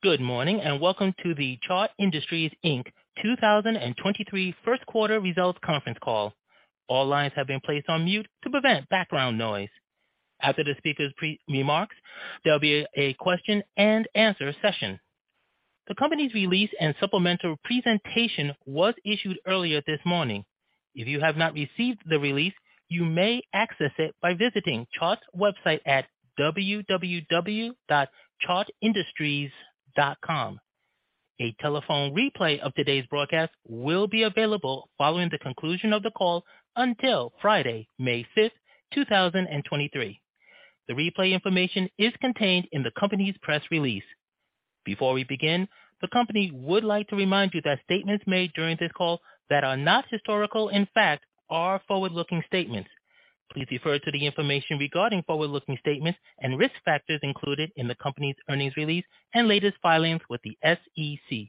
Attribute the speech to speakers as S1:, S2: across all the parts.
S1: Good morning, and welcome to the Chart Industries, Inc. 2023 first quarter results conference call. All lines have been placed on mute to prevent background noise. After the speakers pre-remarks, there'll be a question-and-answer session. The company's release and supplemental presentation was issued earlier this morning. If you have not received the release, you may access it by visiting Chart's website at www.chartindustries.com. A telephone replay of today's broadcast will be available following the conclusion of the call until Friday, May 5th, 2023. The replay information is contained in the company's press release. Before we begin, the company would like to remind you that statements made during this call that are not historical in fact are forward-looking statements. Please refer to the information regarding forward-looking statements and risk factors included in the company's earnings release and latest filings with the SEC.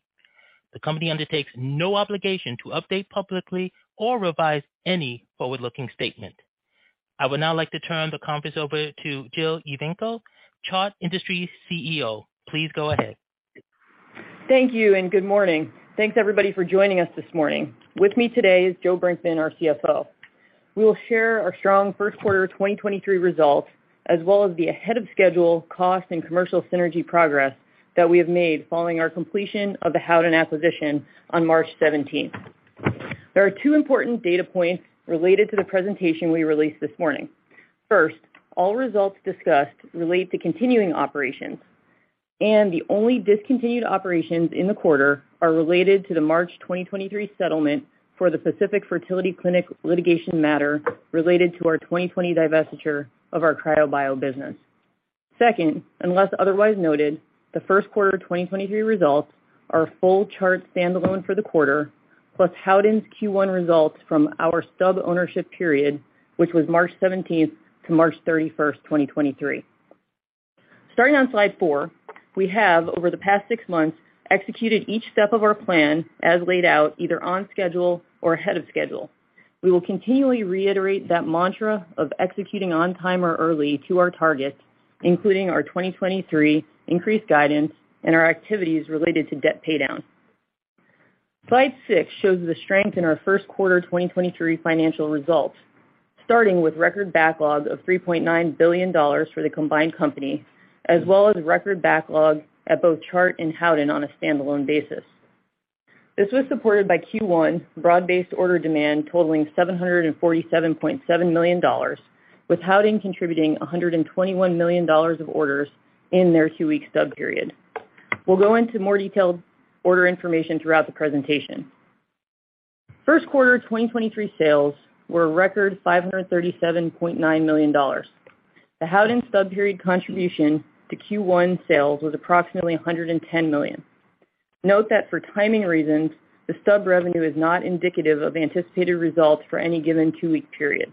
S1: The company undertakes no obligation to update publicly or revise any forward-looking statement. I would now like to turn the conference over to Jill Evanko, Chart Industries CEO. Please go ahead.
S2: Thank you. Good morning. Thanks everybody for joining us this morning. With me today is Joe Brinkman, our CFO. We will share our strong first quarter 2023 results, as well as the ahead of schedule cost and commercial synergy progress that we have made following our completion of the Howden acquisition on March 17th. There are two important data points related to the presentation we released this morning. First, all results discussed relate to continuing operations. The only discontinued operations in the quarter are related to the March 2023 settlement for the Pacific Fertility Center litigation matter related to our 2020 divestiture of our cryo bio-business. Second, unless otherwise noted, the first quarter 2023 results are full Chart standalone for the quarter, plus Howden's Q1 results from our stub ownership period, which was March 17th to March 31st, 2023. Starting on slide four, we have over the past six months, executed each step of our plan as laid out either on schedule or ahead of schedule. We will continually reiterate that mantra of executing on time or early to our targets, including our 2023 increased guidance and our activities related to debt paydown. Slide six shows the strength in our first quarter 2023 financial results, starting with record backlog of $3.9 billion for the combined company, as well as record backlog at both Chart and Howden on a standalone basis. This was supported by Q1 broad-based order demand totaling $747.7 million, with Howden contributing $121 million of orders in their two-week stub period. We'll go into more detailed order information throughout the presentation. First quarter 2023 sales were a record $537.9 million. The Howden stub period contribution to Q1 sales was approximately $110 million. Note that for timing reasons, the stub revenue is not indicative of anticipated results for any given two-week period.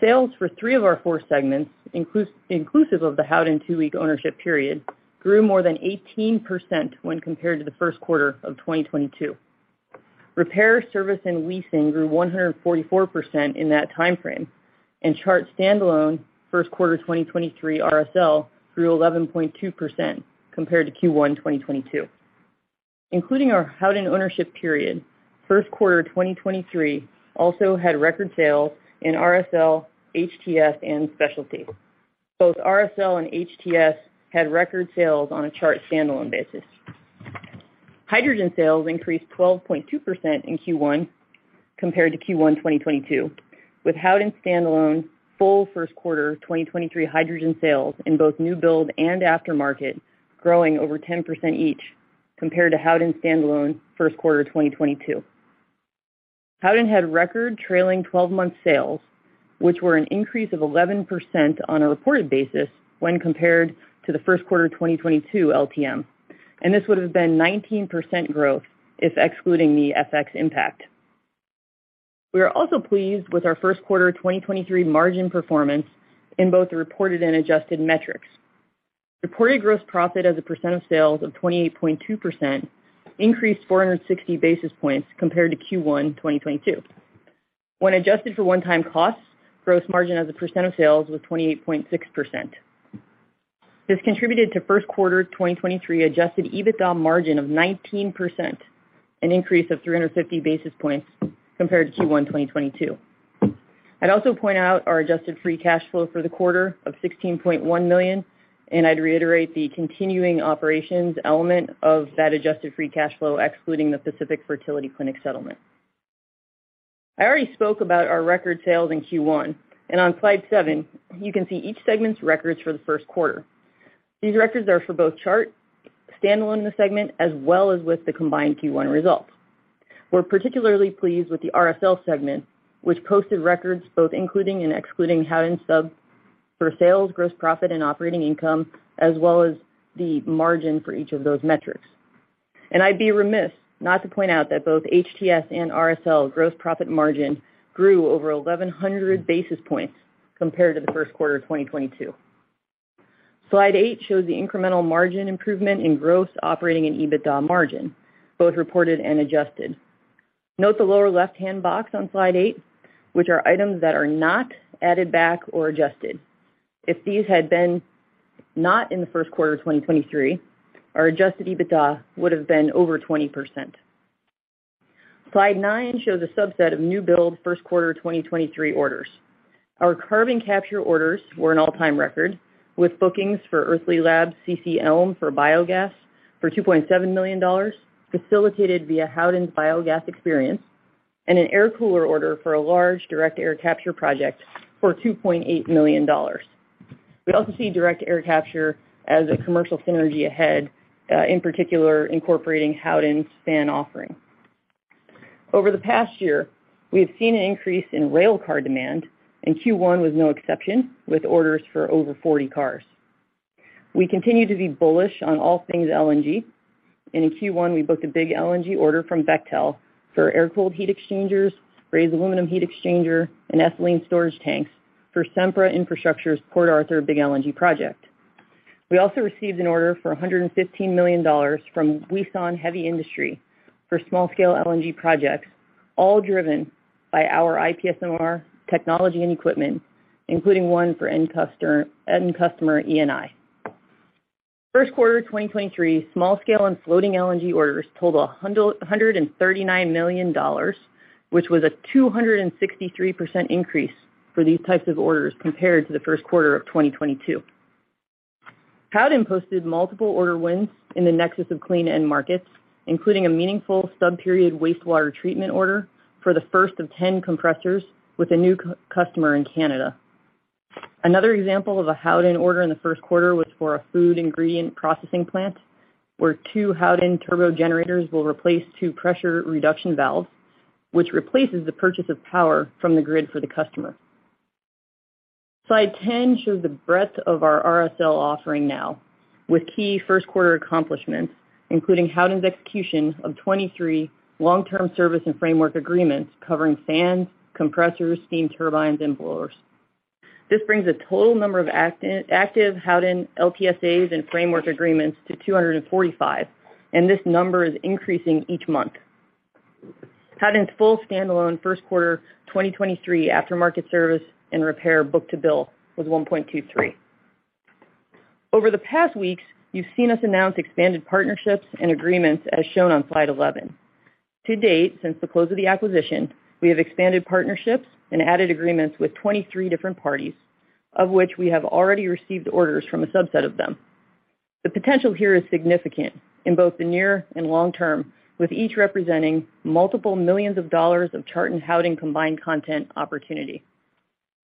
S2: Sales for three of our four segments, inclusive of the Howden two-week ownership period, grew more than 18% when compared to the first quarter of 2022. Repair service and leasing grew 144% in that time frame, and Chart standalone first quarter 2023 RSL grew 11.2% compared to Q1 2022. Including our Howden ownership period, first quarter 2023 also had record sales in RSL, HTS, and specialty. Both RSL and HTS had record sales on a Chart standalone basis. Hydrogen sales increased 12.2% in Q1 compared to Q1 2022, with Howden standalone full first quarter 2023 hydrogen sales in both new build and aftermarket growing over 10% each compared to Howden standalone first quarter 2022. Howden had record trailing 12-month sales, which were an increase of 11% on a reported basis when compared to the first quarter 2022 LTM. This would have been 19% growth if excluding the FX impact. We are also pleased with our first quarter 2023 margin performance in both the reported and adjusted metrics. Reported gross profit as a percent of sales of 28.2% increased 460 basis points compared to Q1 2022. When adjusted for one-time costs, gross margin as a percent of sales was 28.6%. This contributed to first quarter 2023 adjusted EBITDA margin of 19%, an increase of 350 basis points compared to Q1 2022. I'd also point out our adjusted free cash flow for the quarter of $16.1 million, and I'd reiterate the continuing operations element of that adjusted free cash flow, excluding the Pacific Fertility Center settlement. I already spoke about our record sales in Q1. On slide seven, you can see each segment's records for the first quarter. These records are for both Chart standalone segment as well as with the combined Q1 results. We're particularly pleased with the RSL segment, which posted records both including and excluding Howden sub for sales, gross profit and operating income, as well as the margin for each of those metrics. I'd be remiss not to point out that both HTS and RSL gross profit margin grew over 1,100 basis points compared to the first quarter of 2022. Slide 8 shows the incremental margin improvement in gross operating and EBITDA margin, both reported and adjusted. Note the lower left-hand box on slide eight, which are items that are not added back or adjusted. If these had been not in the first quarter of 2023, our adjusted EBITDA would have been over 20%. Slide nine shows a subset of new build first quarter 2023 orders. Our carbon capture orders were an all-time record, with bookings for Earthly Labs CiCi Elm for biogas for $2.7 million, facilitated via Howden's biogas experience, and an air cooler order for a large direct air capture project for $2.8 million. We also see direct air capture as a commercial synergy ahead, in particular, incorporating Howden's fan offering. Over the past year, we have seen an increase in railcar demand. Q1 was no exception, with orders for over 40 cars. We continue to be bullish on all things LNG. In Q1, we booked a big LNG order from Bechtel for air-cooled heat exchangers, raised aluminum heat exchanger, and ethylene storage tanks for Sempra Infrastructure's Port Arthur big LNG project. We also received an order for $115 million from Wison Heavy Industry for small-scale LNG projects, all driven by our IPSMR technology and equipment, including one for end customer ENI. First quarter 2023, small scale and floating LNG orders totaled $139 million, which was a 263% increase for these types of orders compared to the first quarter of 2022. Howden posted multiple order wins in the nexus of clean end markets, including a meaningful sub-period wastewater treatment order for the first of 10 compressors with a new customer in Canada. Another example of a Howden order in the first quarter was for a food ingredient processing plant, where two Howden turbo generators will replace two pressure reduction valves, which replaces the purchase of power from the grid for the customer. Slide 10 shows the breadth of our RSL offering now, with key first quarter accomplishments, including Howden's execution of 23 long-term service and framework agreements covering fans, compressors, steam turbines, and blowers. This brings a total number of active Howden LTSAs and framework agreements to 245, and this number is increasing each month. Howden's full standalone first quarter 2023 aftermarket service and repair book-to-bill was $1.23 million. Over the past weeks, you've seen us announce expanded partnerships and agreements as shown on slide 11. To date, since the close of the acquisition, we have expanded partnerships and added agreements with 23 different parties, of which we have already received orders from a subset of them. The potential here is significant in both the near and long term, with each representing multiple millions of dollars of Chart and Howden combined content opportunity.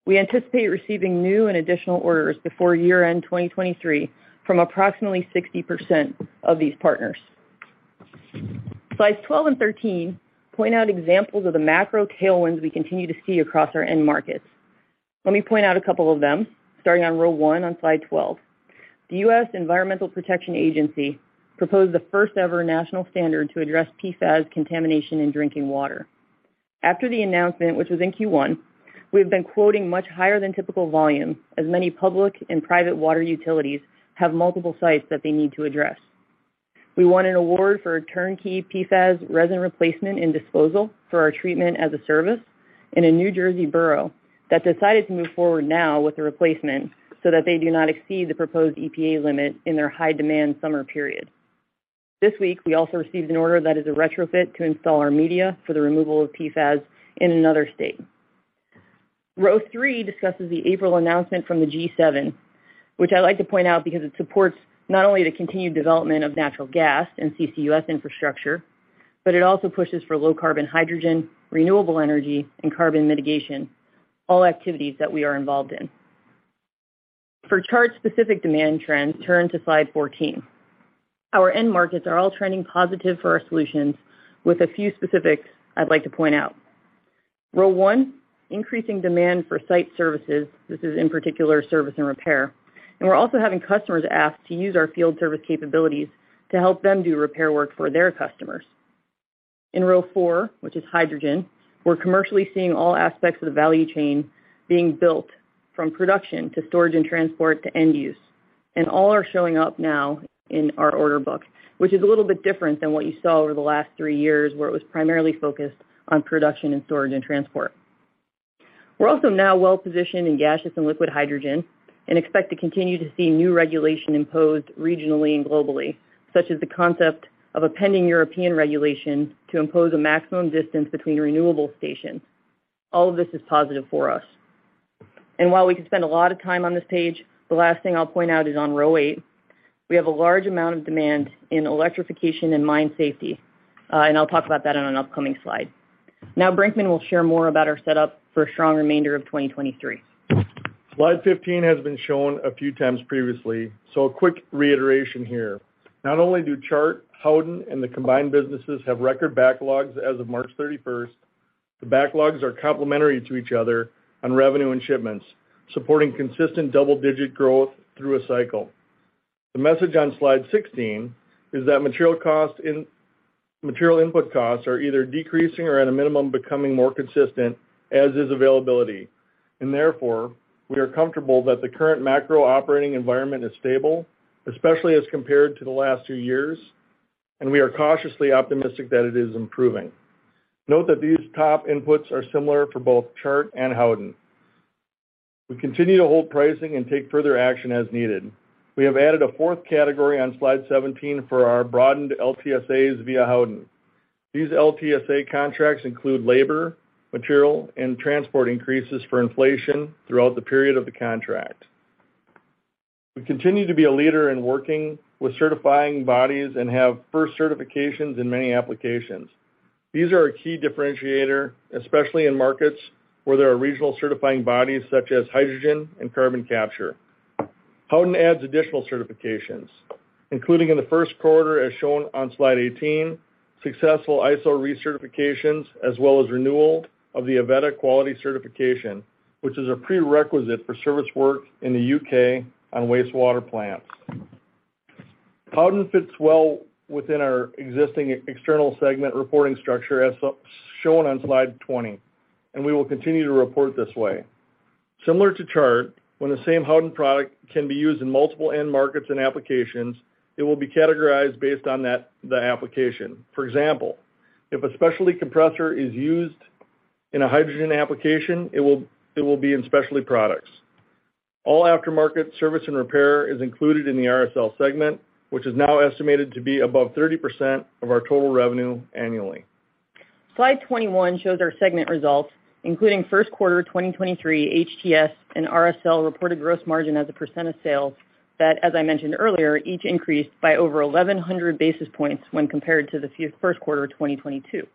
S2: We anticipate receiving new and additional orders before year-end 2023 from approximately 60% of these partners. Slides 12 and 13 point out examples of the macro tailwinds we continue to see across our end markets. Let me point out a couple of them, starting on row 1 on slide 12. The US Environmental Protection Agency proposed the first ever national standard to address PFAS contamination in drinking water. After the announcement, which was in Q1, we have been quoting much higher than typical volume, as many public and private water utilities have multiple sites that they need to address. We won an award for a turnkey PFAS resin replacement and disposal for our treatment as a service in a New Jersey borough that decided to move forward now with the replacement so that they do not exceed the proposed EPA limit in their high demand summer period. This week, we also received an order that is a retrofit to install our media for the removal of PFAS in another state. Row 3 discusses the April announcement from the G7, which I like to point out because it supports not only the continued development of natural gas and CCUS infrastructure, but it also pushes for low carbon hydrogen, renewable energy, and carbon mitigation, all activities that we are involved in. For Chart's specific demand trends, turn to slide 14. Our end markets are all trending positive for our solutions with a few specifics I'd like to point out. Row 1, increasing demand for site services. This is in particular service and repair. We're also having customers ask to use our field service capabilities to help them do repair work for their customers. In row 4, which is hydrogen, we're commercially seeing all aspects of the value chain being built from production to storage and transport to end use. All are showing up now in our order book, which is a little bit different than what you saw over the last three years, where it was primarily focused on production and storage and transport. We're also now well positioned in gaseous and liquid hydrogen and expect to continue to see new regulation imposed regionally and globally, such as the concept of a pending European regulation to impose a maximum distance between renewable stations. All of this is positive for us. While we could spend a lot of time on this page, the last thing I'll point out is on row 8. We have a large amount of demand in electrification and mine safety, I'll talk about that on an upcoming slide. Now, Brinkman will share more about our setup for a strong remainder of 2023.
S3: Slide 15 has been shown a few times previously, so a quick reiteration here. Not only do Chart, Howden, and the combined businesses have record backlogs as of March 31st, the backlogs are complementary to each other on revenue and shipments, supporting consistent double-digit growth through a cycle. The message on slide 16 is that material input costs are either decreasing or at a minimum becoming more consistent, as is availability. Therefore, we are comfortable that the current macro operating environment is stable, especially as compared to the last two years, and we are cautiously optimistic that it is improving. Note that these top inputs are similar for both Chart and Howden. We continue to hold pricing and take further action as needed. We have added a fourth category on slide 17 for our broadened LTSAs via Howden. These LTSA contracts include labor, material, and transport increases for inflation throughout the period of the contract. We continue to be a leader in working with certifying bodies and have first certifications in many applications. These are a key differentiator, especially in markets where there are regional certifying bodies such as hydrogen and carbon capture. Howden adds additional certifications, including in the first quarter as shown on slide 18, successful ISO recertifications, as well as renewal of the Avetta quality certification, which is a prerequisite for service work in the U.K. on wastewater plants. Howden fits well within our existing external segment reporting structure as shown on slide 20. We will continue to report this way. Similar to Chart, when the same Howden product can be used in multiple end markets and applications, it will be categorized based on that, the application. For example, if a specialty compressor is used in a hydrogen application, it will be in specialty products. All aftermarket service and repair is included in the RSL segment, which is now estimated to be above 30% of our total revenue annually.
S2: Slide 21 shows our segment results, including first quarter 2023 HTS and RSL reported gross margin as a % of sales that, as I mentioned earlier, each increased by over 1,100 basis points when compared to the first quarter of 2022.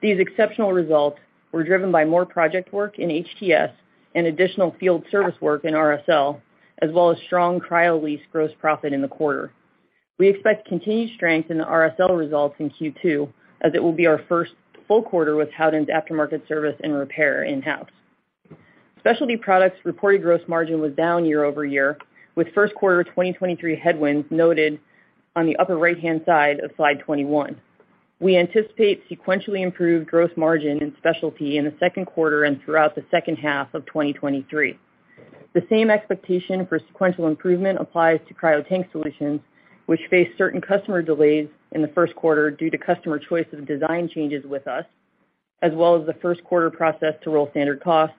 S2: These exceptional results were driven by more project work in HTS and additional field service work in RSL, as well as strong cryo lease gross profit in the quarter. We expect continued strength in the RSL results in Q2, as it will be our first full quarter with Howden's aftermarket service and repair in-house. Specialty Products reported gross margin was down year-over-year, with first quarter 2023 headwinds noted on the upper right-hand side of slide 21. We anticipate sequentially improved gross margin in Specialty in the second quarter and throughout the second half of 2023. The same expectation for sequential improvement applies to Cryo Tank Solutions, which face certain customer delays in the first quarter due to customer choice of design changes with us, as well as the first quarter process to roll standard costs,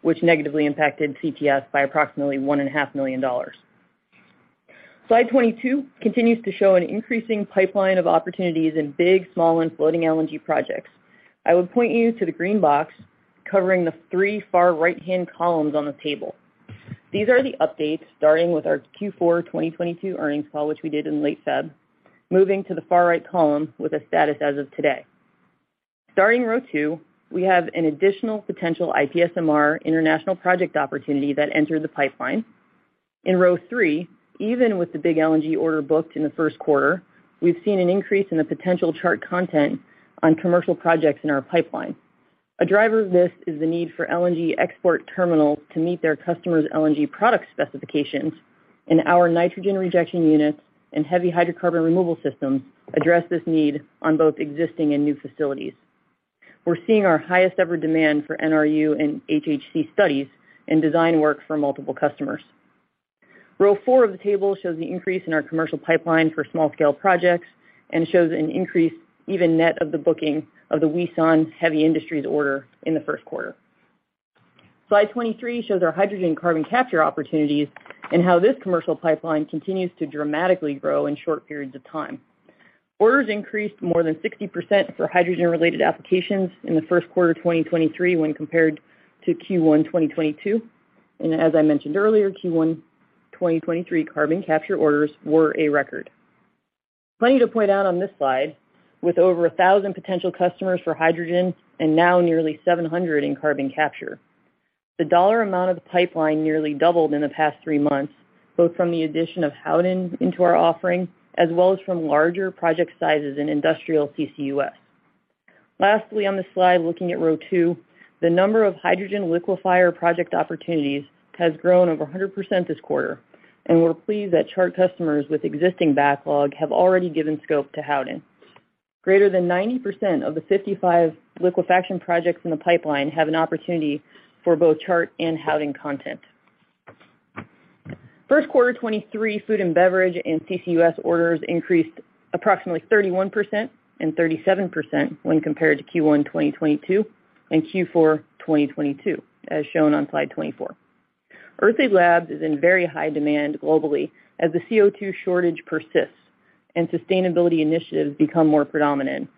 S2: which negatively impacted CTS by approximately $1.5 million. Slide 22 continues to show an increasing pipeline of opportunities in big, small, and floating LNG projects. I would point you to the green box covering the three far right-hand columns on the table. These are the updates starting with our Q4 2022 earnings call, which we did in late February, moving to the far right column with a status as of today. Starting row 2, we have an additional potential IPSMR international project opportunity that entered the pipeline. In Row 3, even with the big LNG order booked in the first quarter, we've seen an increase in the potential Chart content on commercial projects in our pipeline. A driver of this is the need for LNG export terminals to meet their customers' LNG product specifications, and our nitrogen rejection units and heavy hydrocarbon removal systems address this need on both existing and new facilities. We're seeing our highest ever demand for NRU and HHC studies and design work for multiple customers. Row 4 of the table shows the increase in our commercial pipeline for small scale projects and shows an increase even net of the booking of the Wison Heavy Industry order in the first quarter. Slide 23 shows our hydrogen carbon capture opportunities and how this commercial pipeline continues to dramatically grow in short periods of time. Orders increased more than 60% for hydrogen-related applications in Q1 2023 when compared to Q1 2022. As I mentioned earlier, Q1 2023 carbon capture orders were a record. Plenty to point out on this slide with over 1,000 potential customers for hydrogen and now nearly 700 in carbon capture. The dollar amount of the pipeline nearly doubled in the past 3 months, both from the addition of Howden into our offering, as well as from larger project sizes in industrial CCUS. Lastly, on the slide, looking at row 2, the number of hydrogen liquefier project opportunities has grown over 100% this quarter, and we're pleased that Chart customers with existing backlog have already given scope to Howden. Greater than 90% of the 55 liquefaction projects in the pipeline have an opportunity for both Chart and Howden content. First quarter 2023 food and beverage and CCUS orders increased approximately 31% and 37% when compared to Q1 2022 and Q4 2022, as shown on slide 24. Earthly Labs is in very high demand globally as the CO2 shortage persists and sustainability initiatives become more predominant.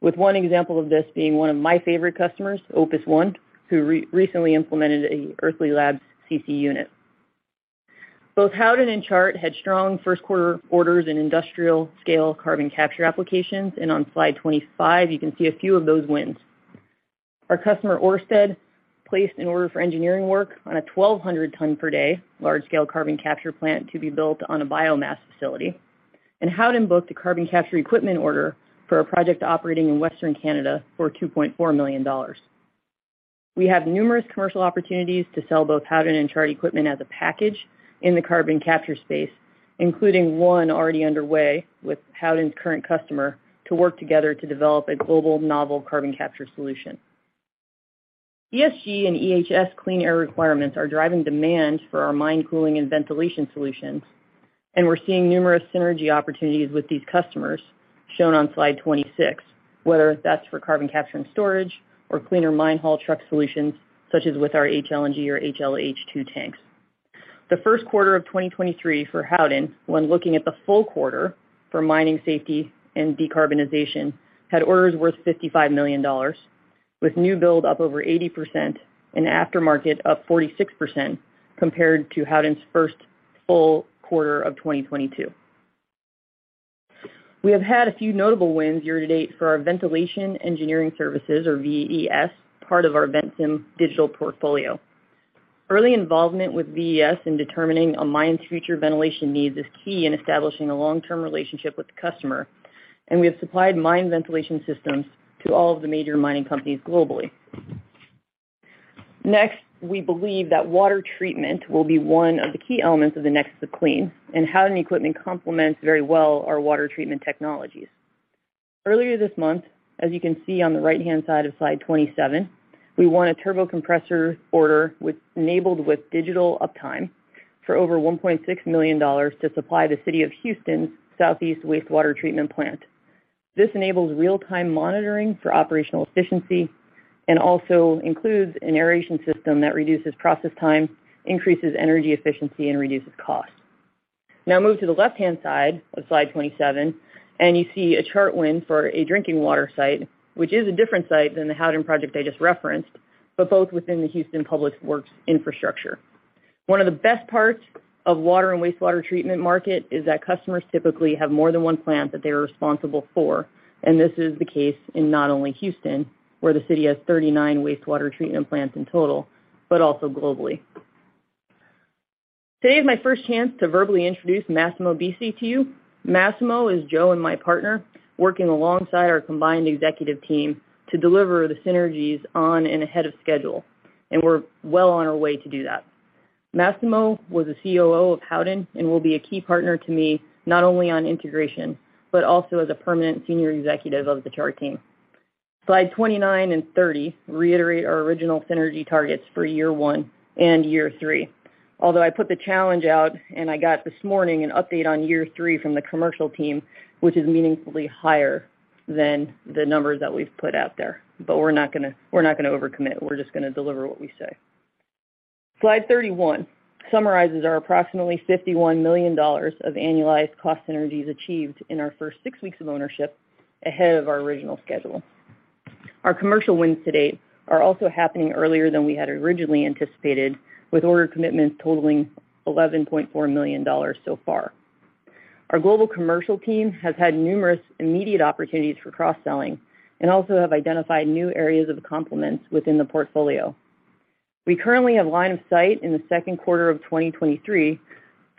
S2: With one example of this being one of my favorite customers, Opus One, who recently implemented an Earthly Labs CiCi unit. Both Howden and Chart had strong first quarter orders in industrial-scale carbon capture applications, and on slide 25, you can see a few of those wins. Our customer, Ørsted, placed an order for engineering work on a 1,200 ton per day large-scale carbon capture plant to be built on a biomass facility, and Howden booked a carbon capture equipment order for a project operating in Western Canada for $2.4 million. We have numerous commercial opportunities to sell both Howden and Chart equipment as a package in the carbon capture space. Including one already underway with Howden's current customer to work together to develop a global novel carbon capture solution. ESG and EHS clean air requirements are driving demand for our mine cooling and ventilation solutions, and we're seeing numerous synergy opportunities with these customers shown on slide 26, whether that's for carbon capture and storage or cleaner mine haul truck solutions such as with our HLNG or HLH2 tanks. The first quarter of 2023 for Howden, when looking at the full quarter for mining safety and decarbonization, had orders worth $55 million, with new build up over 80% and aftermarket up 46% compared to Howden's first full quarter of 2022. We have had a few notable wins year-to-date for our Ventilation Engineering Services, or VES, part of our Ventsim digital portfolio. Early involvement with VES in determining a mine's future ventilation needs is key in establishing a long-term relationship with the customer, and we have supplied mine ventilation systems to all of the major mining companies globally. We believe that water treatment will be one of the key elements of the next to clean, and Howden equipment complements very well our water treatment technologies. Earlier this month, as you can see on the right-hand side of slide 27, we won a turbo compressor order enabled with digital uptime for over $1.6 million to supply the City of Houston Southeast Wastewater Treatment Plant. This enables real-time monitoring for operational efficiency and also includes an aeration system that reduces process time, increases energy efficiency, and reduces cost. Now move to the left-hand side of slide 27, and you see a Chart win for a drinking water site, which is a different site than the Howden project I just referenced, but both within the Houston Public Works infrastructure. One of the best parts of water and wastewater treatment market is that customers typically have more than one plant that they are responsible for. This is the case in not only Houston, where the city has 39 wastewater treatment plants in total, but also globally. Today is my first chance to verbally introduce Massimo Bisi to you. Massimo is Joe and my partner, working alongside our combined executive team to deliver the synergies on and ahead of schedule, and we're well on our way to do that. Massimo was the COO of Howden and will be a key partner to me, not only on integration, but also as a permanent senior executive of the Chart team. Slide 29 and 30 reiterate our original synergy targets for year one and year three. I put the challenge out and I got this morning an update on year three from the commercial team, which is meaningfully higher than the numbers that we've put out there. We're not gonna overcommit. We're just gonna deliver what we say. Slide 31 summarizes our approximately $51 million of annualized cost synergies achieved in our first six weeks of ownership ahead of our original schedule. Our commercial wins to date are also happening earlier than we had originally anticipated, with order commitments totaling $11.4 million so far. Our global commercial team has had numerous immediate opportunities for cross-selling and also have identified new areas of complements within the portfolio. We currently have line of sight in the second quarter of 2023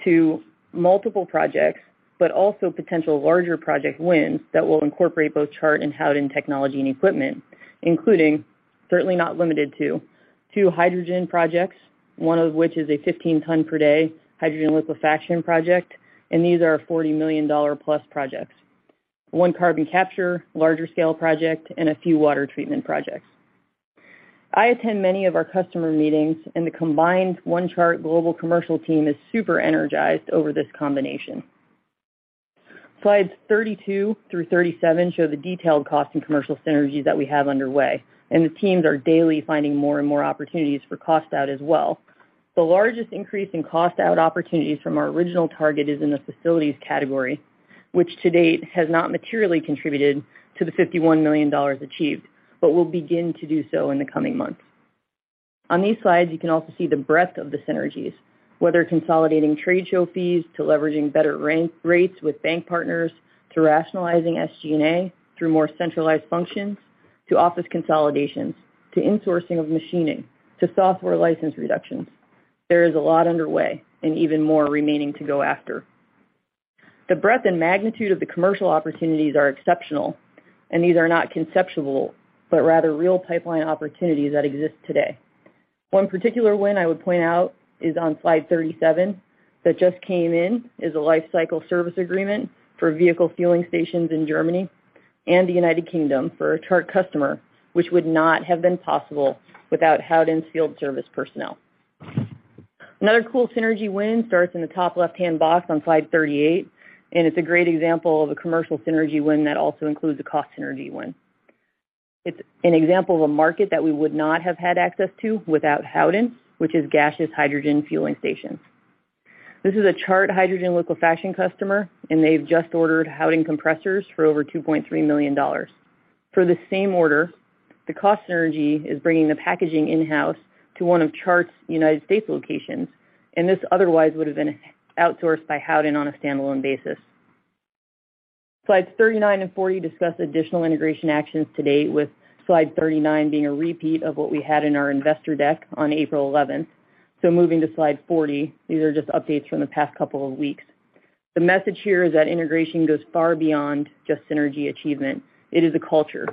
S2: to multiple projects, but also potential larger project wins that will incorporate both Chart and Howden technology and equipment, including, certainly not limited to, two hydrogen projects, one of which is a 15 ton per day hydrogen liquefaction project. These are $40+ million projects. One carbon capture, larger scale project. A few water treatment projects. I attend many of our customer meetings. The combined one Chart global commercial team is super energized over this combination. Slides 32 through 37 show the detailed cost and commercial synergies that we have underway. The teams are daily finding more and more opportunities for cost out as well. The largest increase in cost out opportunities from our original target is in the facilities category, which to date has not materially contributed to the $51 million achieved, but will begin to do so in the coming months. On these slides, you can also see the breadth of the synergies, whether consolidating trade show fees to leveraging better rates with bank partners, to rationalizing SG&A through more centralized functions, to office consolidations, to insourcing of machining, to software license reductions. There is a lot underway and even more remaining to go after. The breadth and magnitude of the commercial opportunities are exceptional. These are not conceptual, but rather real pipeline opportunities that exist today. One particular win I would point out is on slide 37 that just came in, is a life cycle service agreement for vehicle fueling stations in Germany and the U.K. for a Chart customer, which would not have been possible without Howden's field service personnel. Another cool synergy win starts in the top left-hand box on slide 38, and it's a great example of a commercial synergy win that also includes a cost synergy win. It's an example of a market that we would not have had access to without Howden, which is gaseous hydrogen fueling stations. This is a Chart hydrogen liquefaction customer, and they've just ordered Howden compressors for over $2.3 million. For the same order, the cost synergy is bringing the packaging in-house to one of Chart's U.S. locations, and this otherwise would have been outsourced by Howden on a standalone basis. Slides 39 and 40 discuss additional integration actions to date, with slide 39 being a repeat of what we had in our investor deck on April 11th. Moving to slide 40, these are just updates from the past couple of weeks. The message here is that integration goes far beyond just synergy achievement. It is a culture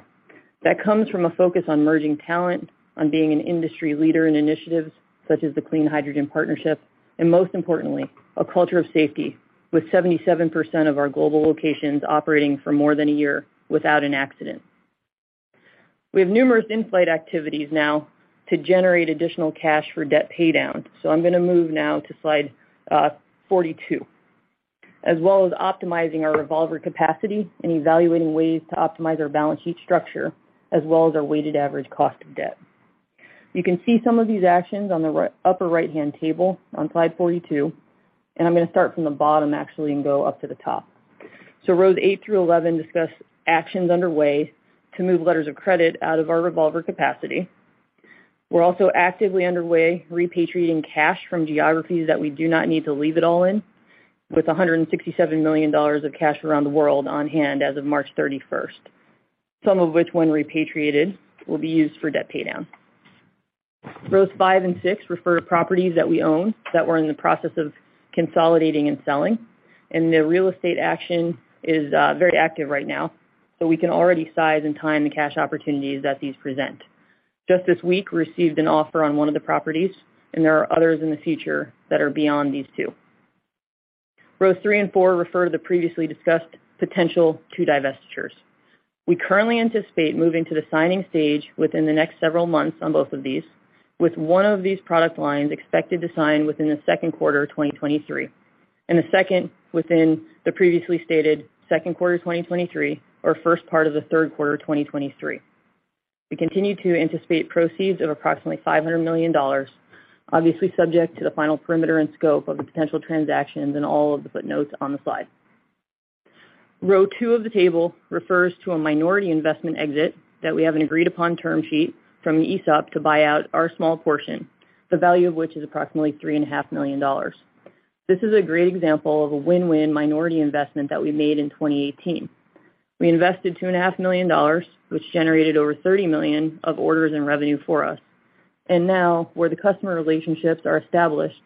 S2: that comes from a focus on merging talent, on being an industry leader in initiatives such as the Clean Hydrogen Partnership, and most importantly, a culture of safety with 77% of our global locations operating for more than a year without an accident. We have numerous in-flight activities now to generate additional cash for debt paydown. I'm gonna move now to slide 42, as well as optimizing our revolver capacity and evaluating ways to optimize our balance sheet structure as well as our weighted average cost of debt. You can see some of these actions on the upper right-hand table on slide 42. I'm gonna start from the bottom actually and go up to the top. Rows 8through 11 discuss actions underway to move letters of credit out of our revolver capacity. We're also actively underway repatriating cash from geographies that we do not need to leave it all in, with $167 million of cash around the world on hand as of March 31st. Some of which when repatriated, will be used for debt paydown. Rows 5 and 6 refer to properties that we own that we're in the process of consolidating and selling. The real estate action is very active right now. We can already size and time the cash opportunities that these present. Just this week, we received an offer on one of the properties, and there are others in the future that are beyond these two. Rows 3 and 4 refer to the previously discussed potential two divestitures. We currently anticipate moving to the signing stage within the next several months on both of these, with one of these product lines expected to sign within the second quarter of 2023, and the second within the previously stated second quarter of 2023 or first part of the third quarter of 2023. We continue to anticipate proceeds of approximately $500 million, obviously subject to the final perimeter and scope of the potential transactions and all of the footnotes on the slide. Row 2 of the table refers to a minority investment exit that we have an agreed-upon term sheet from the ESOP to buy out our small portion, the value of which is approximately $3.5 million. This is a great example of a win-win minority investment that we made in 2018. We invested $2.5 million, which generated over $30 million of orders and revenue for us. Now where the customer relationships are established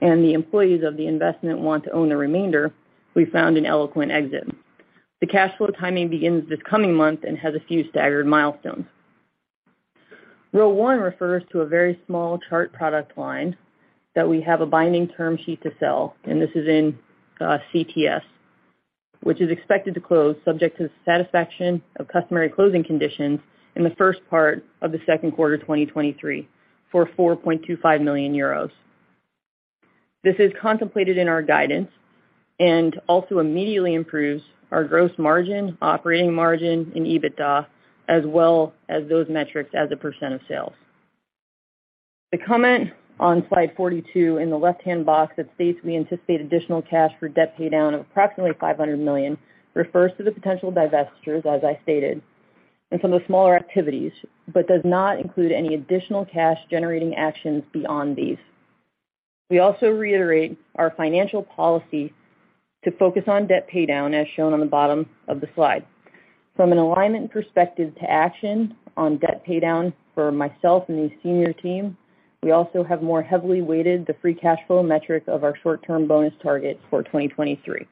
S2: and the employees of the investment want to own the remainder, we found an eloquent exit. The cash flow timing begins this coming month and has a few staggered milestones. Row 1 refers to a very small Chart product line that we have a binding term sheet to sell, and this is in CTS, which is expected to close subject to the satisfaction of customary closing conditions in the first part of the second quarter of 2023 for 4.25 million euros. This is contemplated in our guidance and also immediately improves our gross margin, operating margin and EBITDA, as well as those metrics as a % of sales. The comment on slide 42 in the left-hand box that states we anticipate additional cash for debt paydown of approximately $500 million refers to the potential divestitures, as I stated, and some of the smaller activities, but does not include any additional cash-generating actions beyond these. We also reiterate our financial policy to focus on debt paydown, as shown on the bottom of the slide. From an alignment perspective to action on debt paydown for myself and the senior team, we also have more heavily weighted the free cash flow metric of our short-term bonus targets for 2023.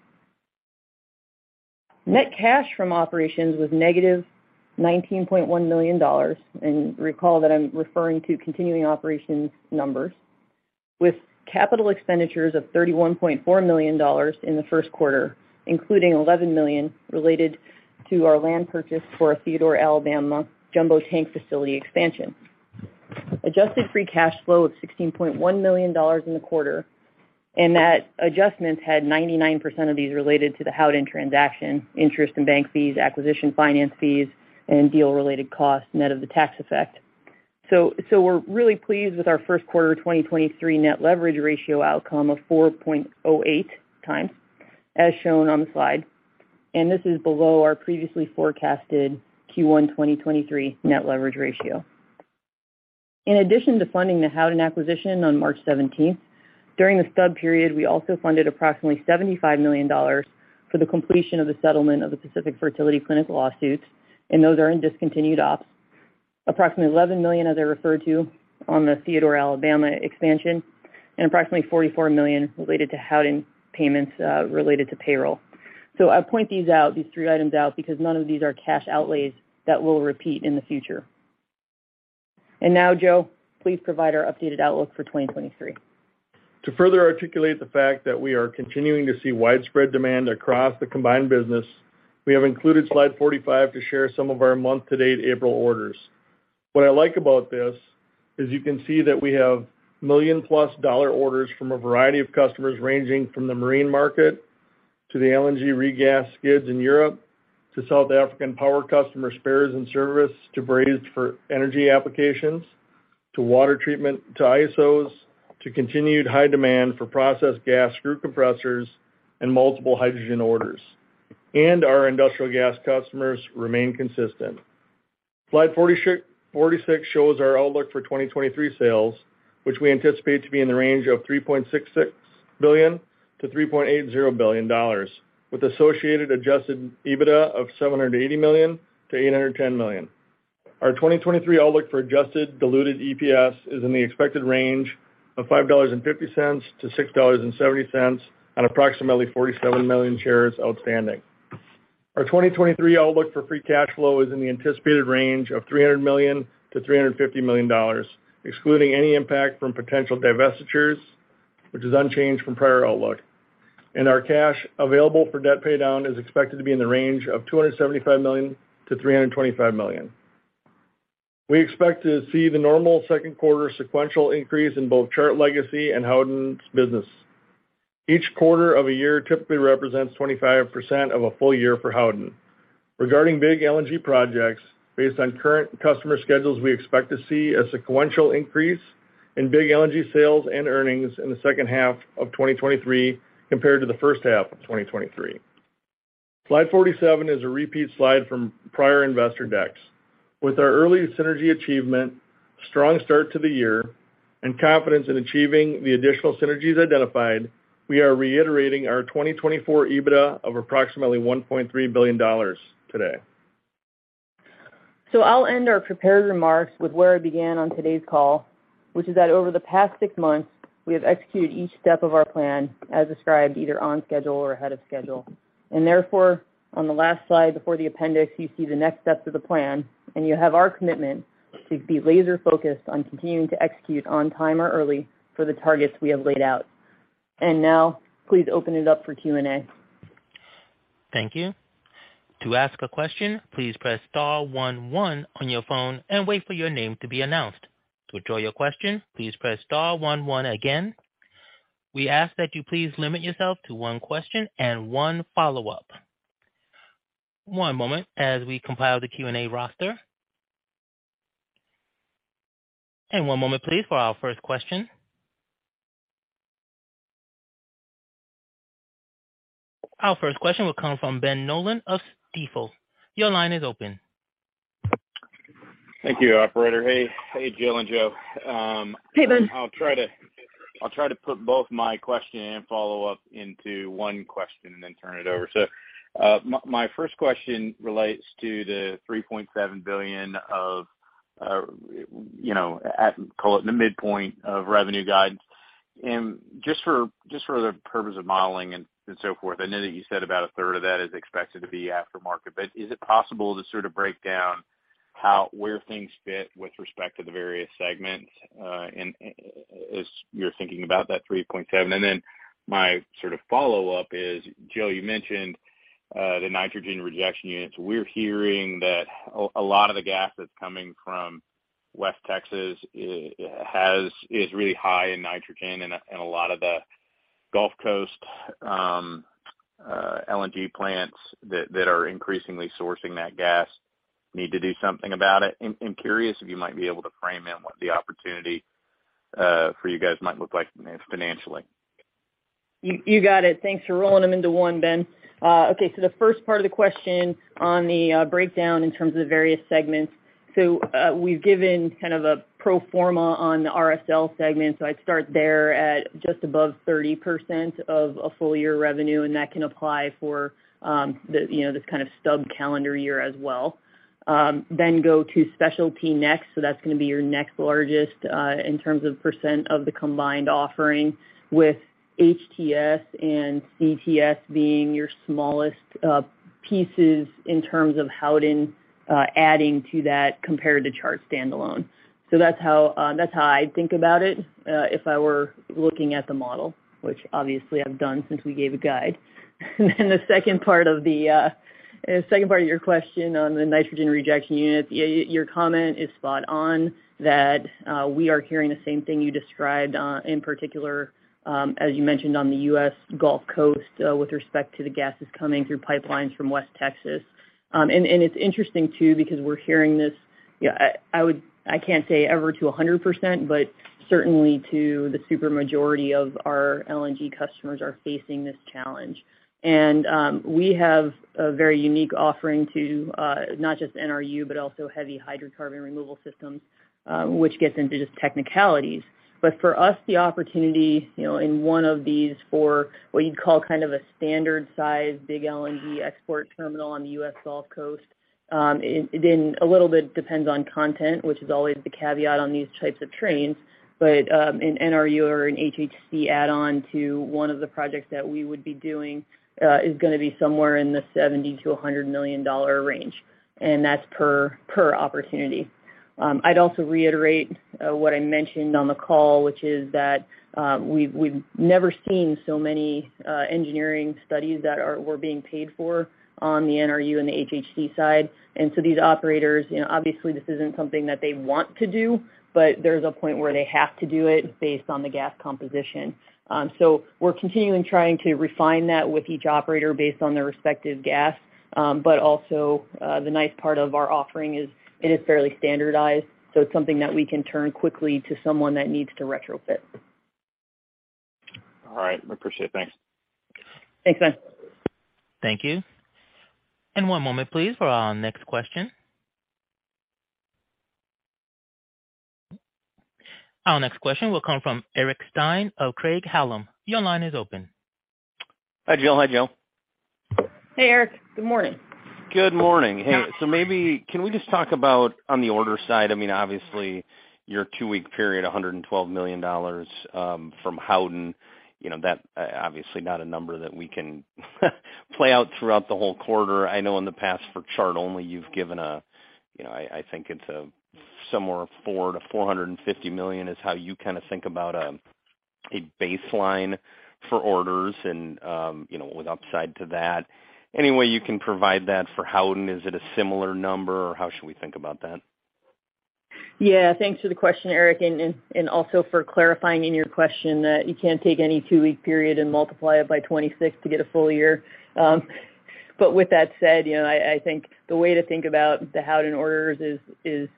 S2: Net cash from operations was -$19.1 million, recall that I'm referring to continuing operations numbers, with capital expenditures of $31.4 million in the first quarter, including $11 million related to our land purchase for our Theodore, Alabama jumbo tank facility expansion. Adjusted free cash flow of $16.1 million in the quarter, that adjustments had 99% of these related to the Howden transaction, interest and bank fees, acquisition finance fees, and deal related costs net of the tax effect. We're really pleased with our first quarter 2023 net leverage ratio outcome of 4.08x, as shown on the slide. This is below our previously forecasted Q1 2023 net leverage ratio. In addition to funding the Howden acquisition on March 17, during the stub period, we also funded approximately $75 million for the completion of the settlement of the Pacific Fertility Center lawsuits. Those are in discontinued ops. Approximately $11 million, as I referred to on the Theodore, Alabama expansion, and approximately $44 million related to Howden payments related to payroll. I point these three items out because none of these are cash outlays that will repeat in the future. Now, Joe, please provide our updated outlook for 2023.
S3: To further articulate the fact that we are continuing to see widespread demand across the combined business, we have included slide 45 to share some of our month-to-date April orders. What I like about this is you can see that we have $+ million orders from a variety of customers ranging from the marine market to the LNG regas skids in Europe, to South African power customer spares and service, to brazed for energy applications, to water treatment, to ISOs, to continued high demand for process gas screw compressors and multiple hydrogen orders. Our industrial gas customers remain consistent. Slide 46 shows our outlook for 2023 sales, which we anticipate to be in the range of $3.66 billion-$3.80 billion with associated adjusted EBITDA of $780 million-$810 million. Our 2023 outlook for adjusted diluted EPS is in the expected range of $5.50-$6.70 on approximately 47 million shares outstanding. Our 2023 outlook for free cash flow is in the anticipated range of $300 million-$350 million, excluding any impact from potential divestitures, which is unchanged from prior outlook. Our cash available for debt pay down is expected to be in the range of $275 million-$325 million. We expect to see the normal second quarter sequential increase in both Chart Legacy and Howden's business. Each quarter of a year typically represents 25% of a full year for Howden. Regarding big LNG projects, based on current customer schedules, we expect to see a sequential increase in big LNG sales and earnings in the second half of 2023 compared to the first half of 2023. Slide 47 is a repeat slide from prior investor decks. With our early synergy achievement, strong start to the year, and confidence in achieving the additional synergies identified, we are reiterating our 2024 EBITDA of approximately $1.3 billion today.
S2: I'll end our prepared remarks with where I began on today's call, which is that over the past 6 months, we have executed each step of our plan as described, either on schedule or ahead of schedule. Therefore, on the last slide before the appendix, you see the next steps of the plan, and you have our commitment to be laser-focused on continuing to execute on time or early for the targets we have laid out. Now, please open it up for Q&A.
S1: Thank you. To ask a question, please press star one one on your phone and wait for your name to be announced. To withdraw your question, please press star one one again. We ask that you please limit yourself to one question and one follow-up. One moment as we compile the Q&A roster. One moment please for our first question. Our first question will come from Ben Nolan of Stifel. Your line is open.
S4: Thank you, operator. Hey, Jill and Joe.
S2: Hey, Ben.
S4: I'll try to put both my question and follow-up into one question and then turn it over. My first question relates to the $3.7 billion of, you know, call it the midpoint of revenue guidance. Just for the purpose of modeling and so forth, I know that you said about a third of that is expected to be after market, but is it possible to sort of break down where things fit with respect to the various segments, and as you're thinking about that $3.7 billion? My sort of follow-up is, Joe, you mentioned the nitrogen rejection units. We're hearing that a lot of the gas that's coming from West Texas is really high in nitrogen and a lot of the Gulf Coast LNG plants that are increasingly sourcing that gas need to do something about it. I'm curious if you might be able to frame in what the opportunity for you guys might look like financially.
S2: You got it. Thanks for rolling them into one, Ben. Okay, the first part of the question on the breakdown in terms of the various segments. We've given kind of a pro forma on the RSL segment. I'd start there at just above 30% of a full year revenue, and that can apply for the, you know, this kind of stub calendar year as well. Go to specialty next. That's gonna be your next largest in terms of percent of the combined offering with HTS and CTS being your smallest pieces in terms of Howden, adding to that compared to Chart standalone. That's how that's how I'd think about it if I were looking at the model, which obviously I've done since we gave a guide. The second part of the second part of your question on the nitrogen rejection unit, your comment is spot on that we are hearing the same thing you described in particular, as you mentioned on the US Gulf Coast, with respect to the gases coming through pipelines from West Texas. It's interesting too, because we're hearing this, you know, I can't say ever to 100%, but certainly to the super majority of our LNG customers are facing this challenge. We have a very unique offering to not just NRU, but also heavy hydrocarbon removal systems, which gets into just technicalities. For us, the opportunity, you know, in one of these for what you'd call kind of a standard size big LNG export terminal on the US Gulf Coast, it then a little bit depends on content, which is always the caveat on these types of trains. An NRU or an HHC add-on to one of the projects that we would be doing, is gonna be somewhere in the $70 million-$100 million range, and that's per opportunity. I'd also reiterate what I mentioned on the call, which is that we've never seen so many engineering studies that were being paid for on the NRU and the HHC side. These operators, you know, obviously this isn't something that they want to do, but there's a point where they have to do it based on the gas composition. We're continuing trying to refine that with each operator based on their respective gas. Also, the nice part of our offering is it is fairly standardized, so it's something that we can turn quickly to someone that needs to retrofit.
S4: All right. I appreciate it. Thanks.
S2: Thanks, Ben.
S1: Thank you. One moment please for our next question. Our next question will come from Eric Stine of Craig-Hallum. Your line is open.
S5: Hi, Jill. Hi, Joe.
S2: Hey, Eric. Good morning.
S5: Good morning. Maybe can we just talk about on the order side? I mean, obviously your two-week period, $112 million from Howden, you know, that obviously not a number that we can play out throughout the whole quarter. I know in the past for Chart only, you've given a, you know, I think it's somewhere $400 million-$450 million is how you kind of think about a baseline for orders and, you know, with upside to that. Any way you can provide that for Howden? Is it a similar number, or how should we think about that?
S2: Yeah. Thanks for the question, Eric, and also for clarifying in your question that you can't take any 2-week period and multiply it by 26 to get a full year. With that said, you know, I think the way to think about the Howden orders is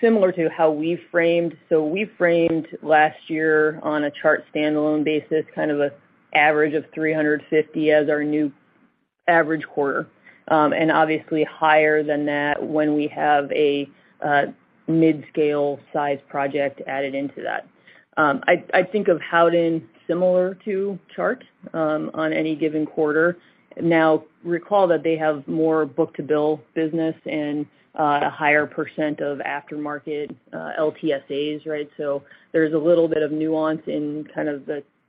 S2: similar to how we framed. We framed last year on a Chart standalone basis, kind of a average of 350 as our new average quarter. Obviously higher than that when we have a mid-scale size project added into that. I think of Howden similar to Chart on any given quarter. Now recall that they have more book-to-bill business and a higher % of aftermarket LTSAs, right? There's a little bit of nuance in kind of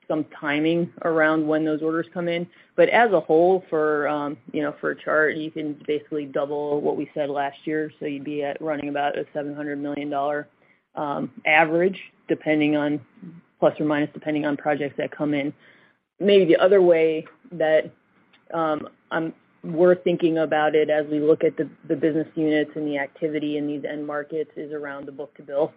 S2: some timing around when those orders come in. As a whole for, you know, for Chart, you can basically double what we said last year, so you'd be at running about a $700 million average depending on +/-, depending on projects that come in. The other way that we're thinking about it as we look at the business units and the activity in these end markets is around the book-to-bill.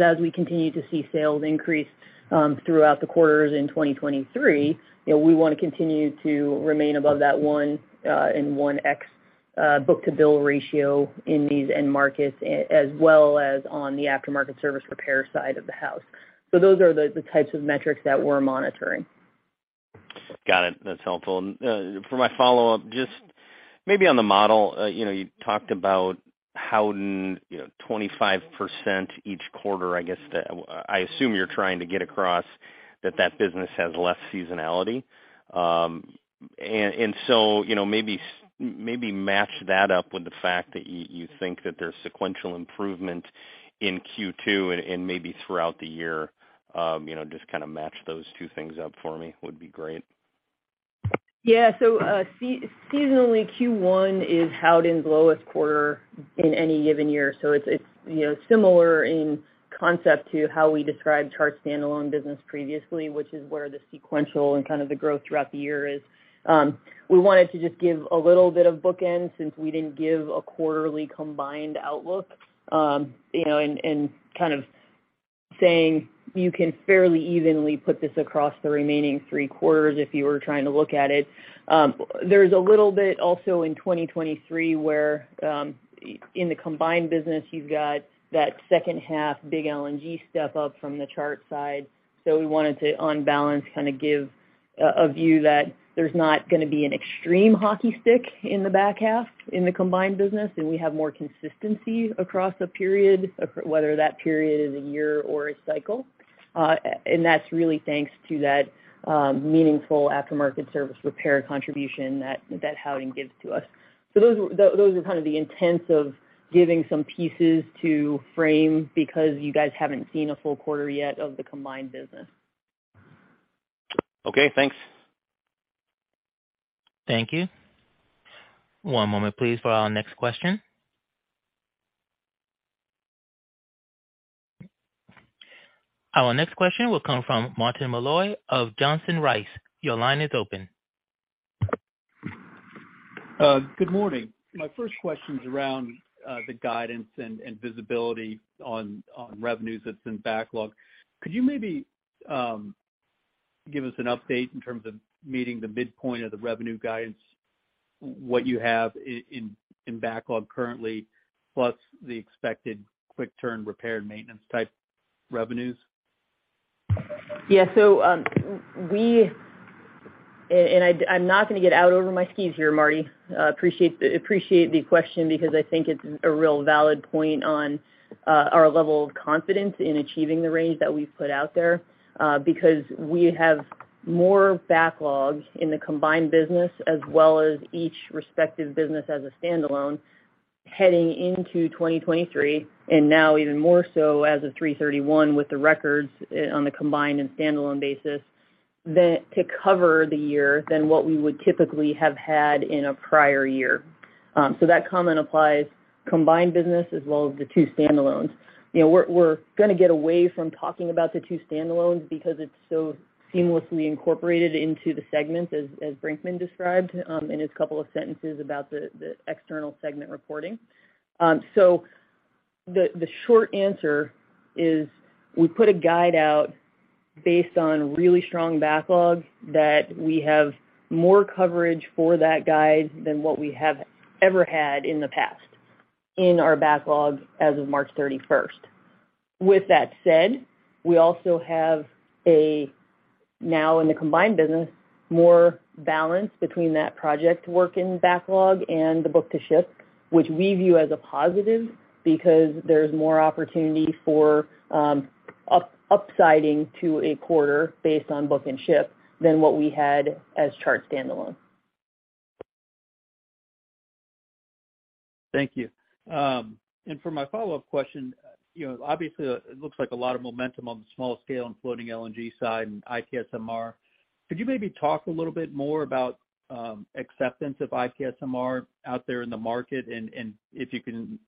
S2: As we continue to see sales increase throughout the quarters in 2023, you know, we wanna continue to remain above that 1 and 1x book-to-bill ratio in these end markets as well as on the aftermarket service repair side of the house. Those are the types of metrics that we're monitoring.
S5: Got it. That's helpful. For my follow-up, just maybe on the model, you talked about Howden, 25% each quarter, I guess, I assume you're trying to get across that that business has less seasonality. Maybe match that up with the fact that you think that there's sequential improvement in Q2 and maybe throughout the year. Just kind of match those two things up for me would be great.
S2: Seasonally Q1 is Howden's lowest quarter in any given year. It's, you know, similar in concept to how we described Chart's standalone business previously, which is where the sequential and kind of the growth throughout the year is. We wanted to just give a little bit of bookend since we didn't give a quarterly combined outlook, you know, and kind of saying you can fairly evenly put this across the remaining three quarters if you were trying to look at it. There's a little bit also in 2023 where, in the combined business you've got that second half big LNG step up from the Chart side. We wanted to, on balance, kind of give a view that there's not gonna be an extreme hockey stick in the back half in the combined business, and we have more consistency across a period, whether that period is a year or a cycle. That's really thanks to that meaningful aftermarket service repair contribution that Howden gives to us. Those are kind of the intents of giving some pieces to frame because you guys haven't seen a full quarter yet of the combined business.
S5: Okay, thanks.
S1: Thank you. One moment please for our next question. Our next question will come from Martin Malloy of Johnson Rice. Your line is open.
S6: Good morning. My first question's around the guidance and visibility on revenues that's in backlog. Could you maybe give us an update in terms of meeting the midpoint of the revenue guidance, what you have in backlog currently, plus the expected quick turn repair and maintenance type revenues?
S2: Yeah. I'm not gonna get out over my skis here, Martin. Appreciate the question because I think it's a real valid point on our level of confidence in achieving the range that we've put out there. Because we have more backlog in the combined business as well as each respective business as a standalone heading into 2023, and now even more so as of March 31 with the records on the combined and standalone basis, to cover the year than what we would typically have had in a prior year. That comment applies combined business as well as the two standalones. You know, we're gonna get away from talking about the two standalones because it's so seamlessly incorporated into the segments as Brinkman described in his couple of sentences about the external segment reporting. The short answer is we put a guide out based on really strong backlog that we have more coverage for that guide than what we have ever had in the past in our backlog as of March 31st. With that said, we also have now in the combined business more balance between that project work in backlog and the book to ship, which we view as a positive because there's more opportunity for upsiding to a quarter based on book and ship than what we had as Chart standalone.
S6: Thank you. For my follow-up question, you know, obviously it looks like a lot of momentum on the small scale and floating LNG side and IPSMR. Could you maybe talk a little bit more about acceptance of IPSMR out there in the market, if you can,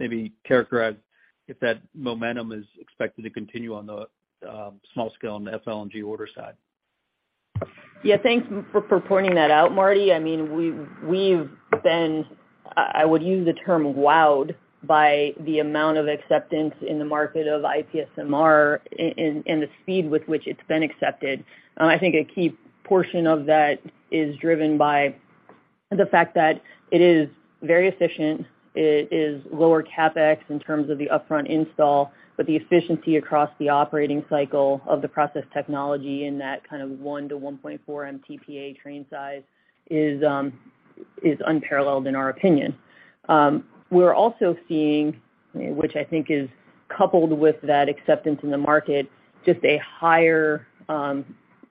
S6: maybe characterize if that momentum is expected to continue on the small scale and the FLNG order side?
S2: Thanks for pointing that out, Martin. I mean, we've been, I would use the term wowed by the amount of acceptance in the market of IPSMR and the speed with which it's been accepted. I think a key portion of that is driven by the fact that it is very efficient. It is lower CapEx in terms of the upfront install, but the efficiency across the operating cycle of the process technology in that kind of 1-1.4 MTPA train size is unparalleled in our opinion. We're also seeing, which I think is coupled with that acceptance in the market, just a higher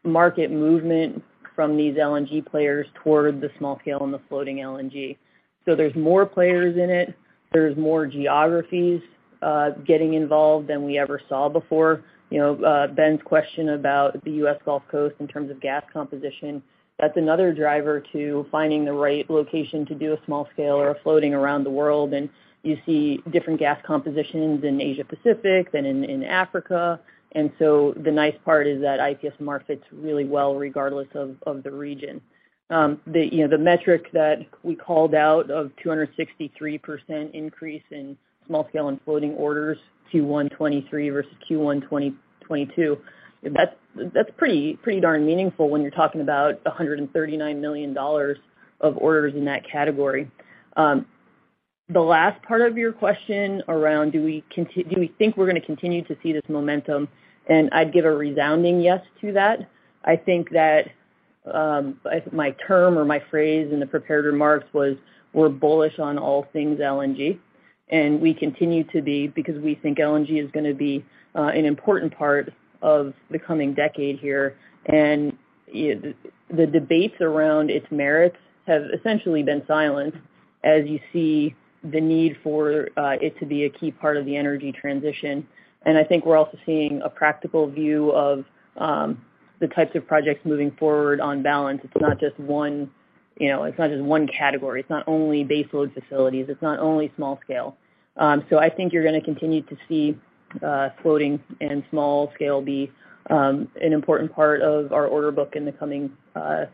S2: market movement from these LNG players toward the small scale and the floating LNG. There's more players in it. There's more geographies getting involved than we ever saw before. You know, Ben's question about the U.S. Gulf Coast in terms of gas composition, that's another driver to finding the right location to do a small scale or floating around the world. You see different gas compositions in Asia-Pacific than in Africa. The nice part is that IPSMR fits really well regardless of the region. You know, the metric that we called out of 263% increase in small scale and floating orders, Q1 2023 versus Q1 2022, that's pretty darn meaningful when you're talking about $139 million of orders in that category. The last part of your question around do we think we're gonna continue to see this momentum? I'd give a resounding yes to that. I think that, my term or my phrase in the prepared remarks was, we're bullish on all things LNG, and we continue to be because we think LNG is gonna be an important part of the coming decade here. The debates around its merits have essentially been silent as you see the need for it to be a key part of the energy transition. I think we're also seeing a practical view of the types of projects moving forward on balance. It's not just one, you know, it's not just one category. It's not only baseload facilities, it's not only small scale. I think you're gonna continue to see floating and small scale be an important part of our order book in the coming 3+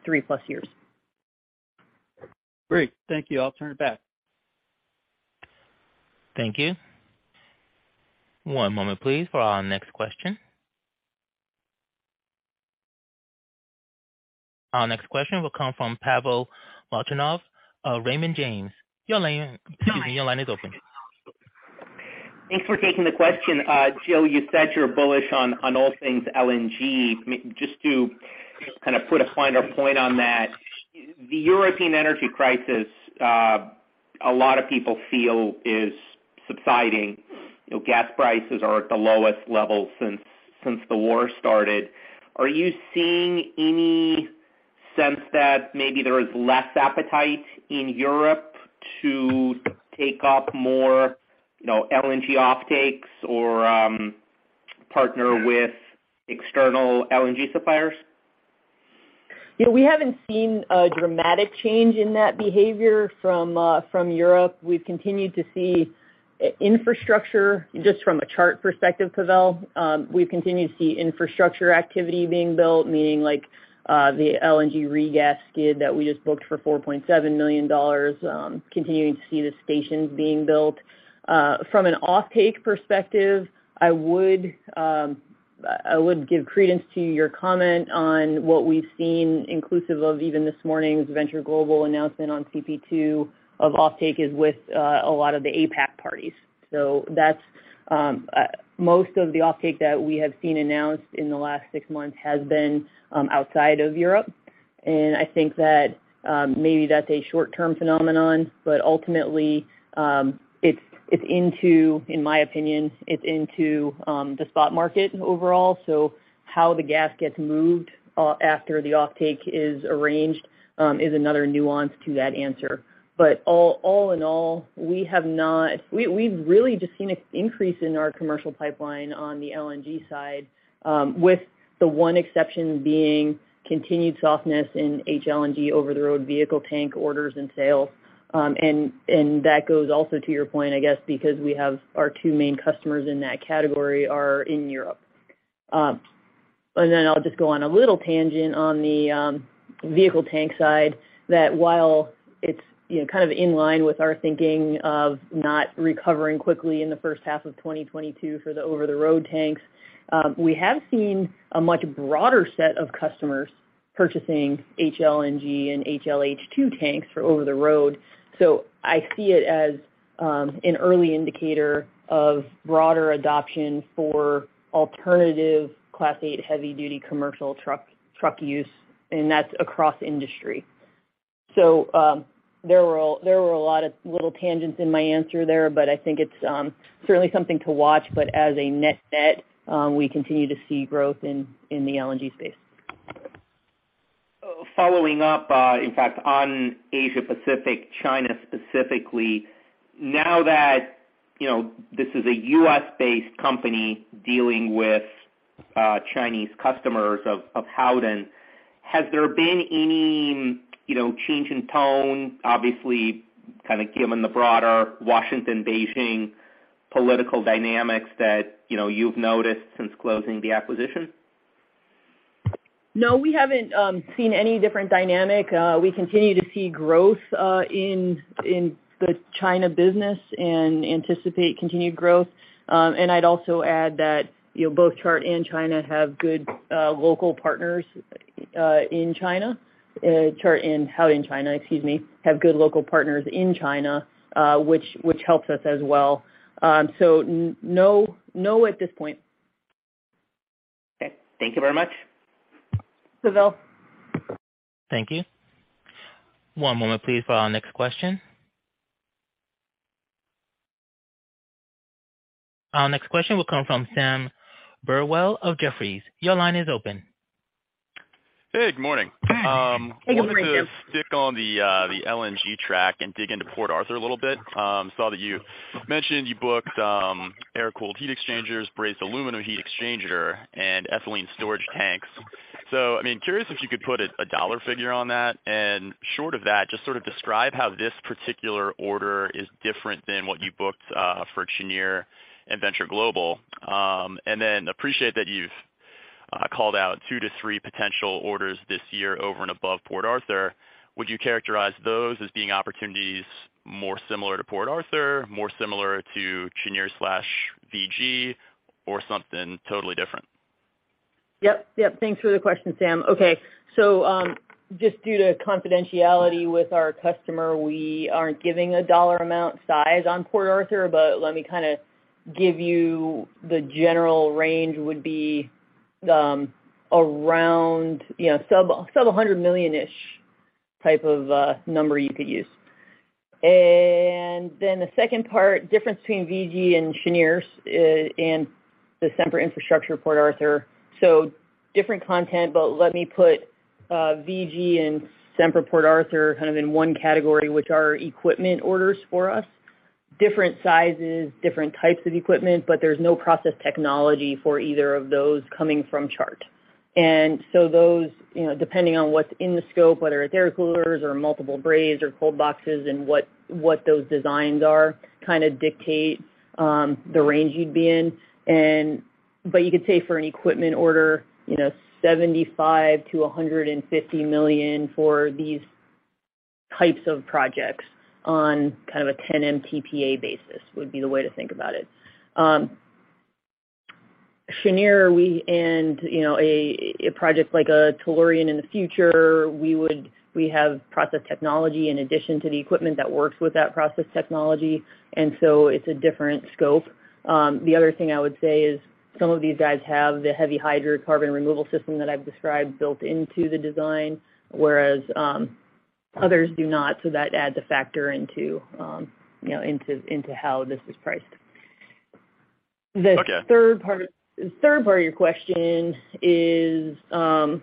S2: years.
S6: Great. Thank you. I'll turn it back.
S1: Thank you. One moment please for our next question. Our next question will come from Pavel Molchanov of Raymond James. Your line, excuse me, your line is open.
S7: Thanks for taking the question. Jill, you said you're bullish on all things LNG. Just to kind of put a finer point on that, the European energy crisis, a lot of people feel is subsiding. You know, gas prices are at the lowest level since the war started. Are you seeing any sense that maybe there is less appetite in Europe to take up more, you know, LNG offtakes or partner with external LNG suppliers?
S2: You know, we haven't seen a dramatic change in that behavior from Europe. We've continued to see infrastructure just from a Chart perspective, Pavel. We've continued to see infrastructure activity being built, meaning like, the LNG regas skid that we just booked for $4.7 million, continuing to see the stations being built. From an offtake perspective, I would, I would give credence to your comment on what we've seen inclusive of even this morning's Venture Global announcement on CP2 of offtake is with, a lot of the APAC parties. That's, most of the offtake that we have seen announced in the last six months has been, outside of Europe. I think that, maybe that's a short-term phenomenon, but ultimately, it's into, in my opinion, it's into, the spot market overall. How the gas gets moved, after the offtake is arranged, is another nuance to that answer. All, all in all, we've really just seen an increase in our commercial pipeline on the LNG side, with the one exception being continued softness in HLNG over-the-road vehicle tank orders and sales. That goes also to your point, I guess, because we have our two main customers in that category are in Europe. And then I'll just go on a little tangent on the vehicle tank side that while it's, you know, kind of in line with our thinking of not recovering quickly in the first half of 2022 for the over-the-road tanks, we have seen a much broader set of customers purchasing HLNG and HLH2 tanks for over the road. I see it as an early indicator of broader adoption for alternative Class eight heavy-duty commercial truck use, and that's across industry. There were a lot of little tangents in my answer there, but I think it's certainly something to watch. As a net-net, we continue to see growth in the LNG space.
S7: Following up, in fact, on Asia-Pacific, China specifically. Now that, you know, this is a U.S.-based company dealing with Chinese customers of Howden, has there been any, you know, change in tone, obviously, kind of given the broader Washington-Beijing political dynamics that, you know, you've noticed since closing the acquisition?
S2: No, we haven't seen any different dynamic. We continue to see growth in the China business and anticipate continued growth. I'd also add that, you know, both Chart and China have good local partners in China. Chart and Howden China, excuse me, have good local partners in China, which helps us as well. No, at this point.
S7: Okay. Thank you very much.
S2: Pavel.
S1: Thank you. One moment please for our next question. Our next question will come from Sam Burwell of Jefferies. Your line is open.
S8: Hey, good morning.
S2: Hi. Good morning, Sam.
S8: I wanted to stick on the LNG track and dig into Port Arthur a little bit. Saw that you mentioned you booked air-cooled heat exchangers, brazed aluminum heat exchanger, and ethylene storage tanks. I mean, curious if you could put a dollar figure on that. Short of that, just sort of describe how this particular order is different than what you booked for Cheniere and Venture Global. Appreciate that you've called out two to three potential orders this year over and above Port Arthur. Would you characterize those as being opportunities more similar to Port Arthur, more similar to Cheniere/VG, or something totally different?
S2: Yep. Yep. Thanks for the question, Sam. Okay. Just due to confidentiality with our customer, we aren't giving a dollar amount size on Port Arthur, but let me kinda give you the general range would be, around, you know, sub $100 million-ish type of number you could use. The second part, difference between VG and Cheniere's, and the Sempra Infrastructure Port Arthur. Different content, but let me put VG and Sempra Port Arthur kind of in one category, which are equipment orders for us. Different sizes, different types of equipment, but there's no process technology for either of those coming from Chart. Those, you know, depending on what's in the scope, whether it's air coolers or multiple brazed or cold boxes, and what those designs are, kind of dictate the range you'd be in. You could say for an equipment order, you know, $75 million-$150 million for these types of projects on kind of a 10 MTPA basis would be the way to think about it. Cheniere, and, you know, a project like a Tellurian in the future, we have process technology in addition to the equipment that works with that process technology, and so it's a different scope. The other thing I would say is some of these guys have the heavy hydrocarbon removal system that I've described built into the design, whereas, others do not. That adds a factor into, you know, how this is priced.
S8: Okay.
S2: The third part of your question is, on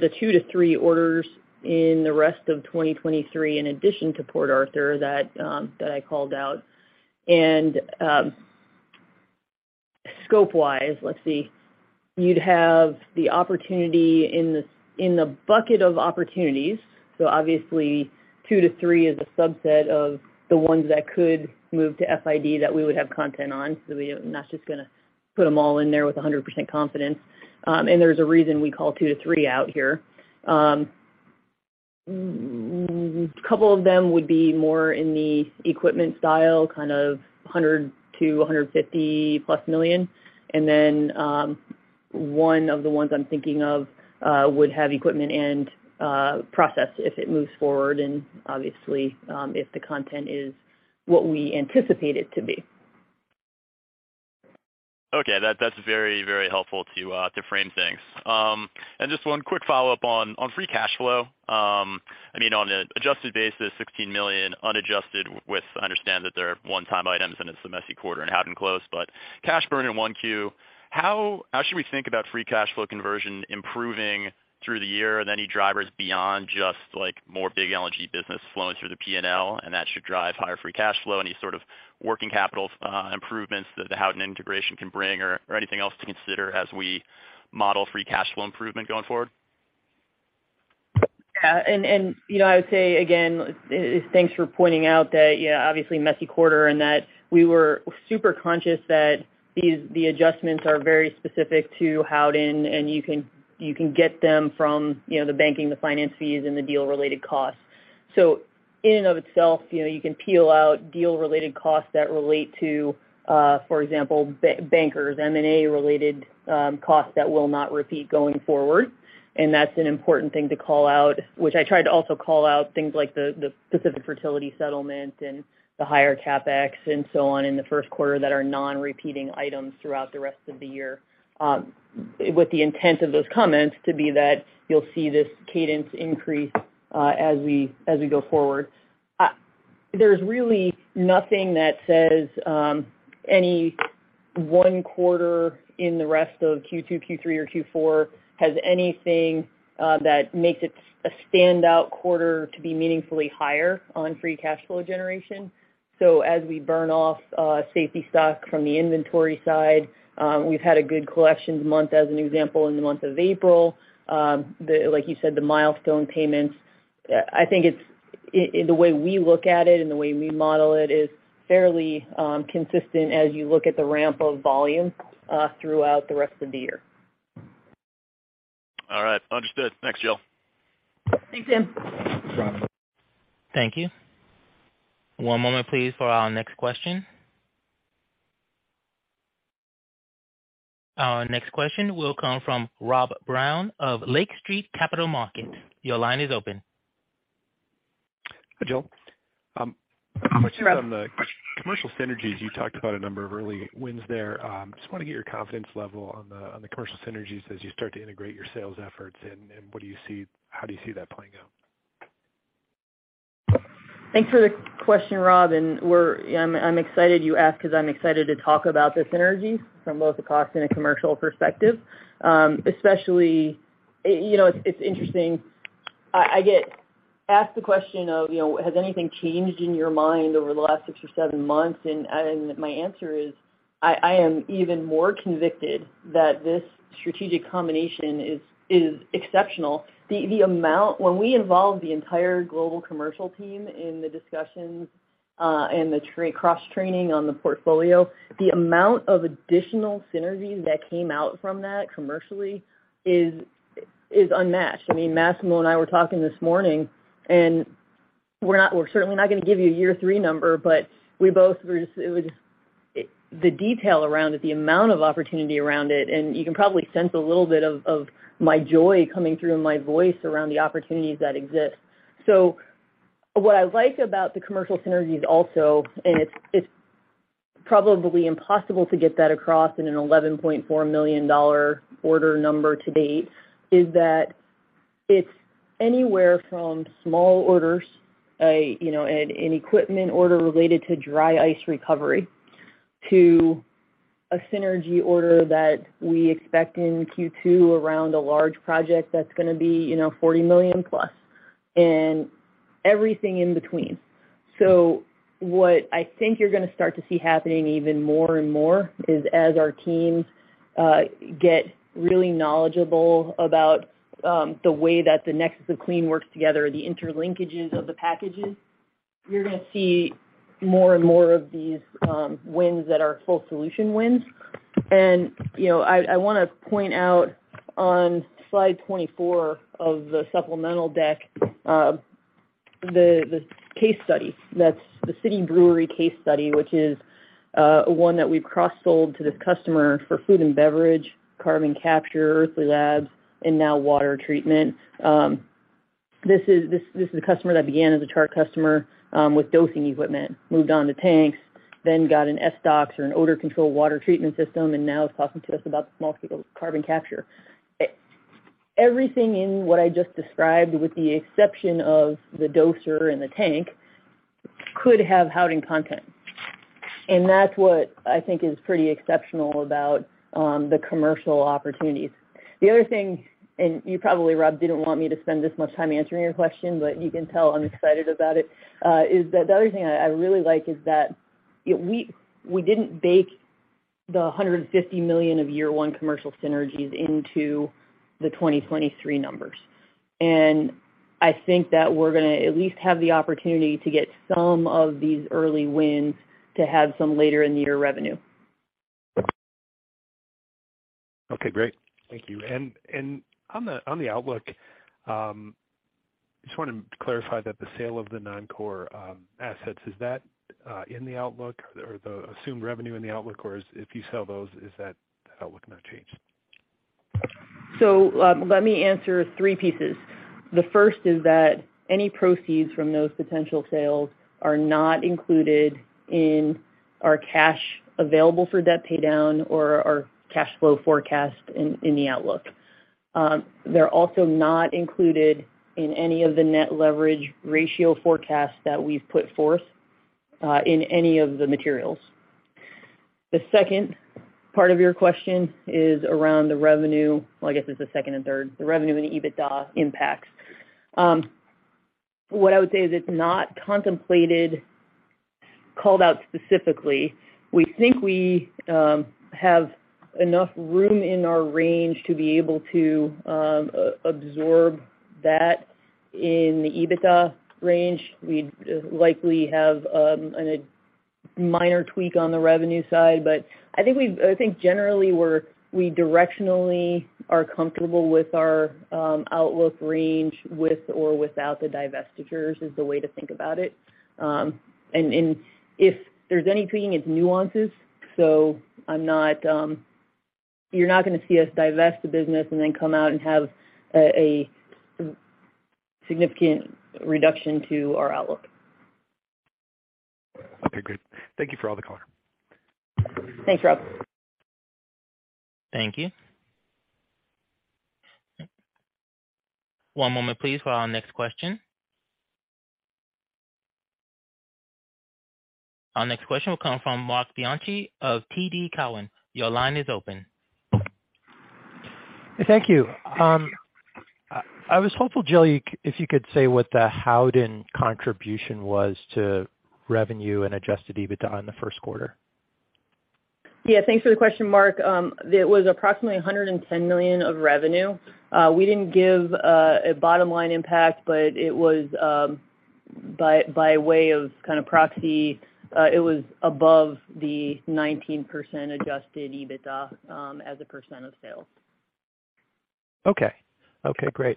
S2: the two to three orders in the rest of 2023 in addition to Port Arthur that I called out. scope-wise, let's see, you'd have the opportunity in the, in the bucket of opportunities. obviously, two to three is a subset of the ones that could move to FID that we would have content on. we're not just gonna put them all in there with 100% confidence. There's a reason we call two to three out here. couple of them would be more in the equipment style, kind of $100 million-$150+ million. One of the ones I'm thinking of would have equipment and process if it moves forward and obviously, if the content is what we anticipate it to be.
S8: Okay. That's very helpful to frame things. Just one quick follow-up on free cash flow. I mean, on an adjusted basis, $16 million unadjusted. I understand that there are one-time items, and it's a messy quarter in Howden close, but cash burn in 1Q. How should we think about free cash flow conversion improving through the year? Any drivers beyond just like more big LNG business flowing through the P&L, and that should drive higher free cash flow? Any sort of working capital improvements that the Howden integration can bring or anything else to consider as we model free cash flow improvement going forward?
S2: Yeah. you know, I would say, again, thanks for pointing out that, yeah, obviously messy quarter in that we were super conscious that the adjustments are very specific to Howden, and you can get them from, you know, the banking, the finance fees, and the deal-related costs. In and of itself, you know, you can peel out deal-related costs that relate to, for example, bankers, M&A-related costs that will not repeat going forward. That's an important thing to call out, which I tried to also call out things like the Pacific Fertility settlement and the higher CapEx and so on in the first quarter that are non-repeating items throughout the rest of the year. With the intent of those comments to be that you'll see this cadence increase as we go forward. There's really nothing that says, any one quarter in the rest of Q2, Q3 or Q4 has anything that makes it a standout quarter to be meaningfully higher on free cash flow generation. As we burn off safety stock from the inventory side, we've had a good collections month as an example in the month of April. The like you said, the milestone payments, I think it's in the way we look at it and the way we model it is fairly consistent as you look at the ramp of volume throughout the rest of the year.
S9: All right. Understood. Thanks, Jill.
S2: Thanks, Tim.
S1: Thank you. One moment please for our next question. Our next question will come from Rob Brown of Lake Street Capital Markets. Your line is open.
S10: Hi, Jill. Question on the commercial synergies? You talked about a number of early wins there. Just wanna get your confidence level on the, on the commercial synergies as you start to integrate your sales efforts? How do you see that playing out?
S2: Thanks for the question, Rob, and I'm excited you asked 'cause I'm excited to talk about the synergies from both a cost and a commercial perspective. Especially, you know, it's interesting. I get asked the question of, you know, has anything changed in your mind over the last six or seven months? My answer is, I am even more convicted that this strategic combination is exceptional. The amount when we involve the entire global commercial team in the discussions, and the cross-training on the portfolio, the amount of additional synergies that came out from that commercially is unmatched. I mean, Massimo and I were talking this morning, we're certainly not gonna give you a year three number, but we both were just, the detail around it, the amount of opportunity around it, and you can probably sense a little bit of my joy coming through in my voice around the opportunities that exist. What I like about the commercial synergies also, and it's probably impossible to get that across in an $11.4 million order number to date, is that it's anywhere from small orders, you know, an equipment order related to dry ice recovery, to a synergy order that we expect in Q2 around a large project that's gonna be, you know, $40+ million, and everything in between. What I think you're gonna start to see happening even more and more is as our teams get really knowledgeable about the way that the nexus of clean works together, the interlinkages of the packages, you're gonna see more and more of these wins that are full solution wins. You know, I wanna point out on slide 24 of the supplemental deck, the case study, that's the City Brewery case study, which is one that we've cross-sold to this customer for food and beverage, carbon capture, Earthly Labs, and now water treatment. This is a customer that began as a Chart customer with dosing equipment, moved on to tanks, then got an SDOX or an odor control water treatment system, and now is talking to us about small-scale carbon capture. Everything in what I just described, with the exception of the doser and the tank, could have Howden content, and that's what I think is pretty exceptional about the commercial opportunities. The other thing, and you probably, Rob, didn't want me to spend this much time answering your question, but you can tell I'm excited about it. Is that the other thing I really like is that we didn't bake the $150 million of year one commercial synergies into the 2023 numbers. I think that we're gonna at least have the opportunity to get some of these early wins to have some later in the year revenue.
S10: Okay, great. Thank you. On the outlook, just wanted to clarify that the sale of the non-core assets, is that in the outlook or the assumed revenue in the outlook? If you sell those, is that outlook now changed?
S2: Let me answer three pieces. The first is that any proceeds from those potential sales are not included in our cash available for debt pay down or our cash flow forecast in the outlook. They're also not included in any of the net leverage ratio forecasts that we've put forth in any of the materials. The second part of your question is around the revenue. Well, I guess it's the second and third, the revenue and the EBITDA impacts. What I would say is it's not contemplated called out specifically. We think we have enough room in our range to be able to absorb that in the EBITDA range. We'd likely have a minor tweak on the revenue side. I think generally we directionally are comfortable with our outlook range with or without the divestitures is the way to think about it. If there's any tweaking, it's nuances. You're not gonna see us divest the business and then come out and have a significant reduction to our outlook.
S10: Okay, great. Thank you for all the color.
S2: Thanks, Rob.
S1: Thank you. One moment please for our next question. Our next question will come from Marc Bianchi of TD Cowen. Your line is open.
S11: Thank you. I was hopeful, Jill, if you could say what the Howden contribution was to revenue and adjusted EBITDA in the first quarter?
S2: Yeah, thanks for the question, Marc. It was approximately $110 million of revenue. We didn't give a bottom line impact, but it was by way of kind of proxy, it was above the 19% adjusted EBITDA as a percent of sales.
S11: Okay. Okay, great.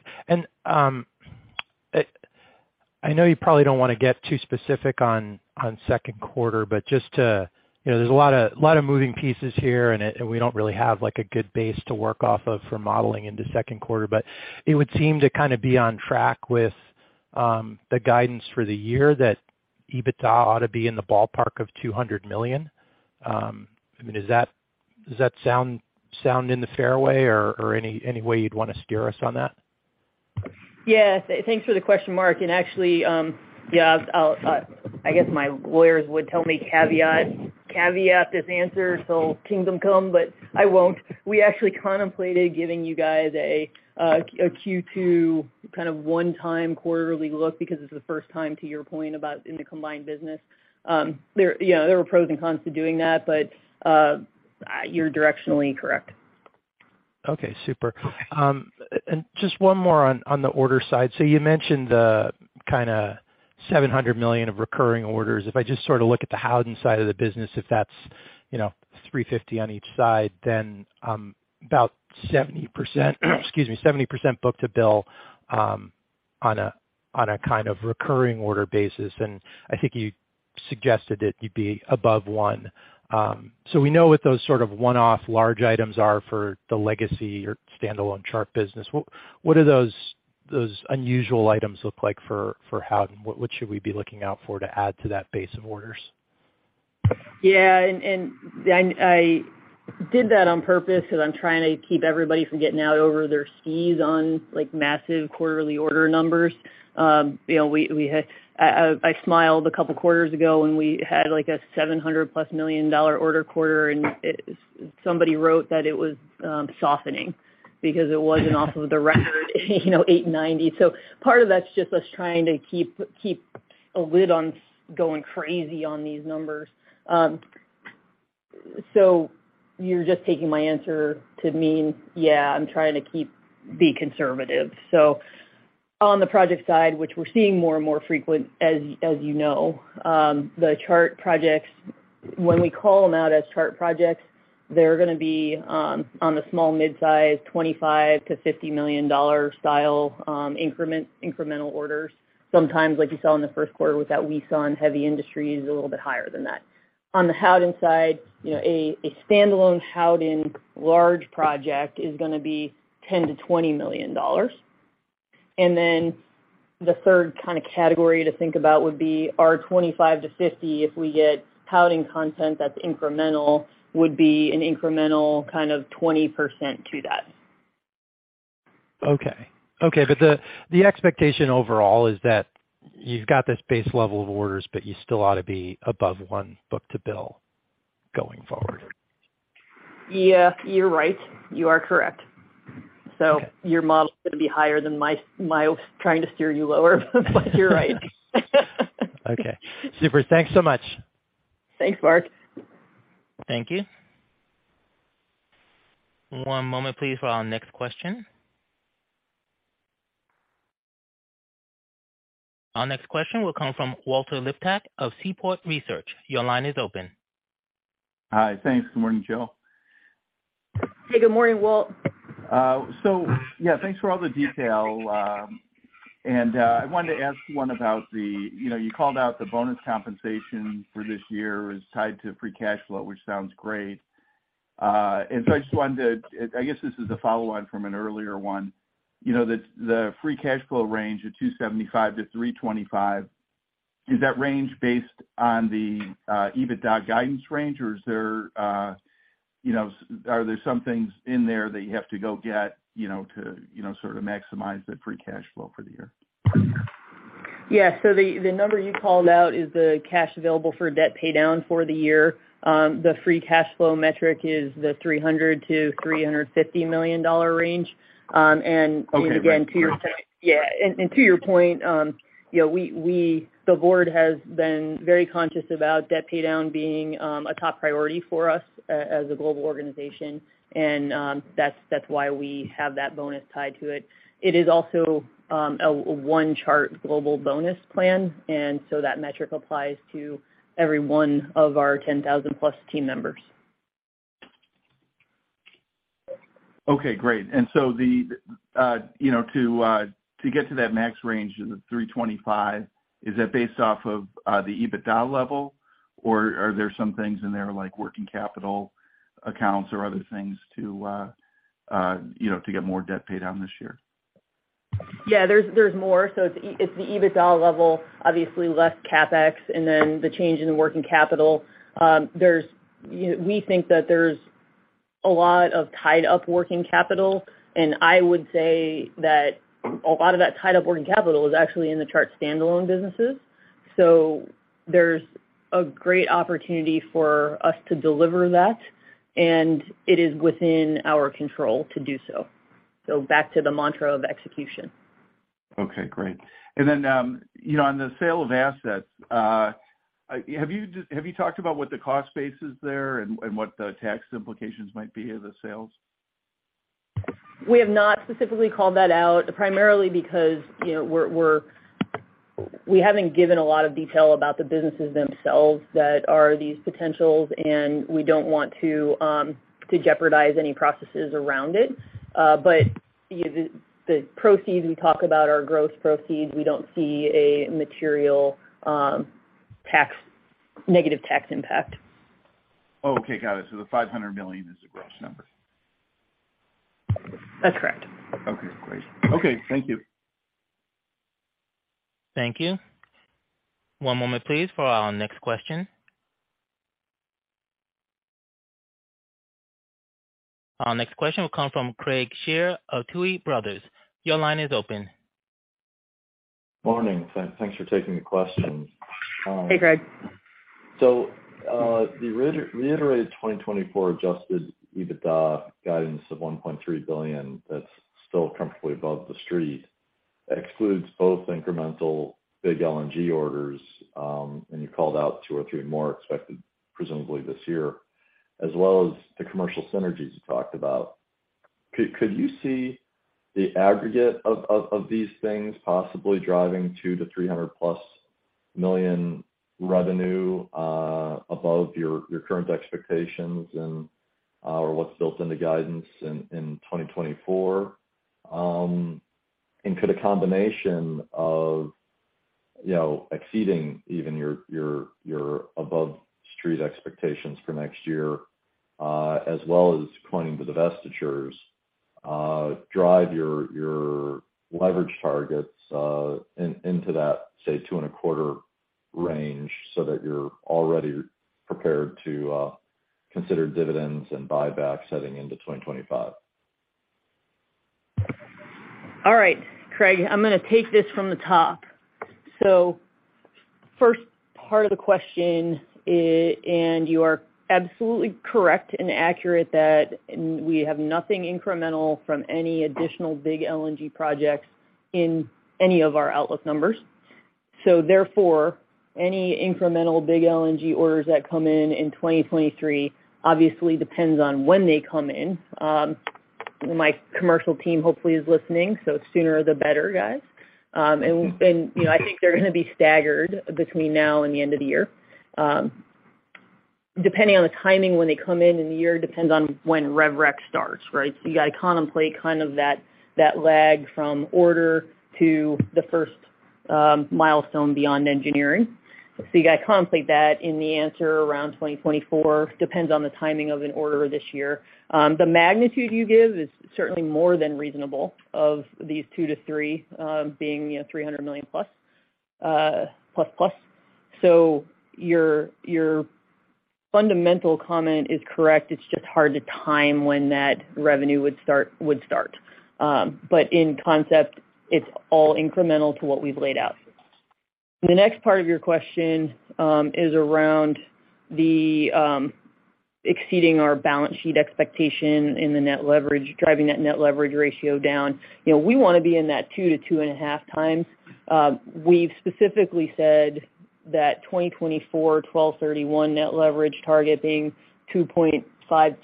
S11: I know you probably don't wanna get too specific on second quarter, but just to. You know, there's a lot of moving pieces here, and we don't really have like a good base to work off of for modeling into second quarter, but it would seem to kind of be on track with the guidance for the year that EBITDA ought to be in the ballpark of $200 million. I mean, does that sound in the fairway or any way you'd want to steer us on that?
S2: Yeah. Thanks for the question, Marc. Actually, yeah, I'll, I guess my lawyers would tell me caveat this answer till kingdom come, but I won't. We actually contemplated giving you guys a Q2 kind of one-time quarterly look because it's the first time, to your point, about in the combined business. There, you know, there were pros and cons to doing that, but you're directionally correct.
S11: Okay, super. Just one more on the order side. You mentioned the kind of $700 million of recurring orders. If I just sort of look at the Howden side of the business, if that's, you know, $350 on each side, then about 70%, excuse me, 70% book-to-bill on a recurring order basis. I think you suggested that you'd be above 1. We know what those sort of one-off large items are for the legacy or standalone Chart business. What do those unusual items look like for Howden? What should we be looking out for to add to that base of orders?
S2: Yeah, I did that on purpose because I'm trying to keep everybody from getting out over their skis on, like, massive quarterly order numbers. You know, we had I smiled a couple of quarters ago when we had, like, a $700+ million order quarter, and somebody wrote that it was softening because it wasn't off of the record, you know, $890 million. Part of that's just us trying to keep a lid on going crazy on these numbers. You're just taking my answer to mean, yeah, I'm trying to be conservative. On the project side, which we're seeing more and more frequent as you know, the Chart projects, when we call them out as Chart projects, they're gonna be on the small midsize, $25 million-$50 million style, incremental orders. Sometimes, like you saw in the first quarter with that we saw in heavy industries, a little bit higher than that. On the Howden side, you know, a standalone Howden large project is gonna be $10 million-$20 million. The third kind of category to think about would be our $25 million-$50 million, if we get Howden content that's incremental, would be an incremental kind of 20% to that.
S11: Okay. Okay, the expectation overall is that you've got this base level of orders, but you still ought to be above 1 book-to-bill going forward.
S2: Yeah, you're right. You are correct.
S11: Okay.
S2: Your model is gonna be higher than my trying to steer you lower, but you're right.
S11: Okay. Super. Thanks so much.
S2: Thanks, Marc.
S1: Thank you. One moment, please, for our next question. Our next question will come from Walter Liptak of Seaport Research. Your line is open.
S12: Hi. Thanks. Good morning, Jill.
S2: Hey, good morning, Walt.
S12: Yeah, thanks for all the detail. I wanted to ask you one about the... You know, you called out the bonus compensation for this year is tied to free cash flow, which sounds great. I just wanted to... I guess this is a follow on from an earlier one. You know, the free cash flow range of $275 million-$325 million, is that range based on the EBITDA guidance range, or is there, you know, are there some things in there that you have to go get, you know, to, you know, sort of maximize the free cash flow for the year?
S2: The number you called out is the cash available for debt paydown for the year. The free cash flow metric is the $300 million-$350 million range.
S12: Okay, great.
S2: Yeah. To your point, you know, the board has been very conscious about debt paydown being a top priority for us as a global organization. That's why we have that bonus tied to it. It is also a one Chart global bonus plan, so that metric applies to every one of our 10,000+ team members.
S12: Okay, great. The, you know, to get to that max range of the $325 milion, is that based off of the EBITDA level, or are there some things in there like working capital accounts or other things to, you know, to get more debt paid down this year?
S2: Yeah, there's more. It's the EBITDA level, obviously less CapEx and then the change in working capital. There's, you know, we think that a lot of tied up working capital, and I would say that a lot of that tied up working capital is actually in the Chart standalone businesses. There's a great opportunity for us to deliver that, and it is within our control to do so. Back to the mantra of execution.
S12: Okay, great. You know, on the sale of assets, have you talked about what the cost base is there and what the tax implications might be of the sales?
S2: We have not specifically called that out primarily because, you know, We haven't given a lot of detail about the businesses themselves that are these potentials, and we don't want to jeopardize any processes around it. The proceeds we talk about are gross proceeds. We don't see a material negative tax impact.
S12: Oh, okay. Got it. The $500 million is a gross number.
S2: That's correct.
S12: Okay, great. Okay, thank you.
S1: Thank you. One moment please for our next question. Our next question will come from Craig Shere of Tuohy Brothers. Your line is open.
S9: Morning. Thanks for taking the questions.
S2: Hey, Craig.
S9: The reiterated 2024 adjusted EBITDA guidance of $1.3 billion that's still comfortably above the street excludes both incremental big LNG orders, and you called out two or three more expected presumably this year, as well as the commercial synergies you talked about. Could you see the aggregate of these things possibly driving $200 million-$300+ million revenue above your current expectations and or what's built into guidance in 2024? Could a combination of, you know, exceeding even your above street expectations for next year, as well as pointing to divestitures, drive your leverage targets in that, say, two and a quarter range, so that you're already prepared to consider dividends and buybacks heading into 2025?
S2: All right, Craig, I'm gonna take this from the top. First part of the question is, and you are absolutely correct and accurate that we have nothing incremental from any additional big LNG projects in any of our outlook numbers. Therefore, any incremental big LNG orders that come in in 2023 obviously depends on when they come in. My commercial team hopefully is listening, the sooner, the better, guys. And, you know, I think they're gonna be staggered between now and the end of the year. Depending on the timing when they come in in the year, depends on when rev rec starts, right? You gotta contemplate kind of that lag from order to the first milestone beyond engineering. You gotta contemplate that in the answer around 2024, depends on the timing of an order this year. The magnitude you give is certainly more than reasonable of these two to three, being, you know, $300+ million. Your fundamental comment is correct. It's just hard to time when that revenue would start. In concept, it's all incremental to what we've laid out. The next part of your question, is around the exceeding our balance sheet expectation in the net leverage, driving that net leverage ratio down. You know, we wanna be in that 2x-2.5x. We've specifically said that 2024 December 31 net leverage target being 2.5x,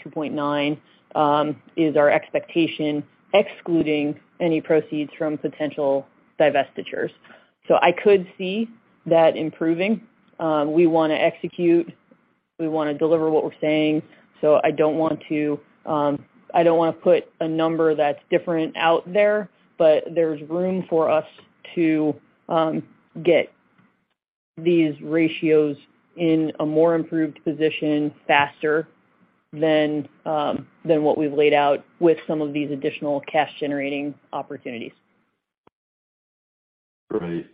S2: 2.9x, is our expectation, excluding any proceeds from potential divestitures. I could see that improving. We want to execute, we want to deliver what we're saying. I don't want to put a number that's different out there. There's room for us to get these ratios in a more improved position faster than what we've laid out with some of these additional cash-generating opportunities.
S9: Great.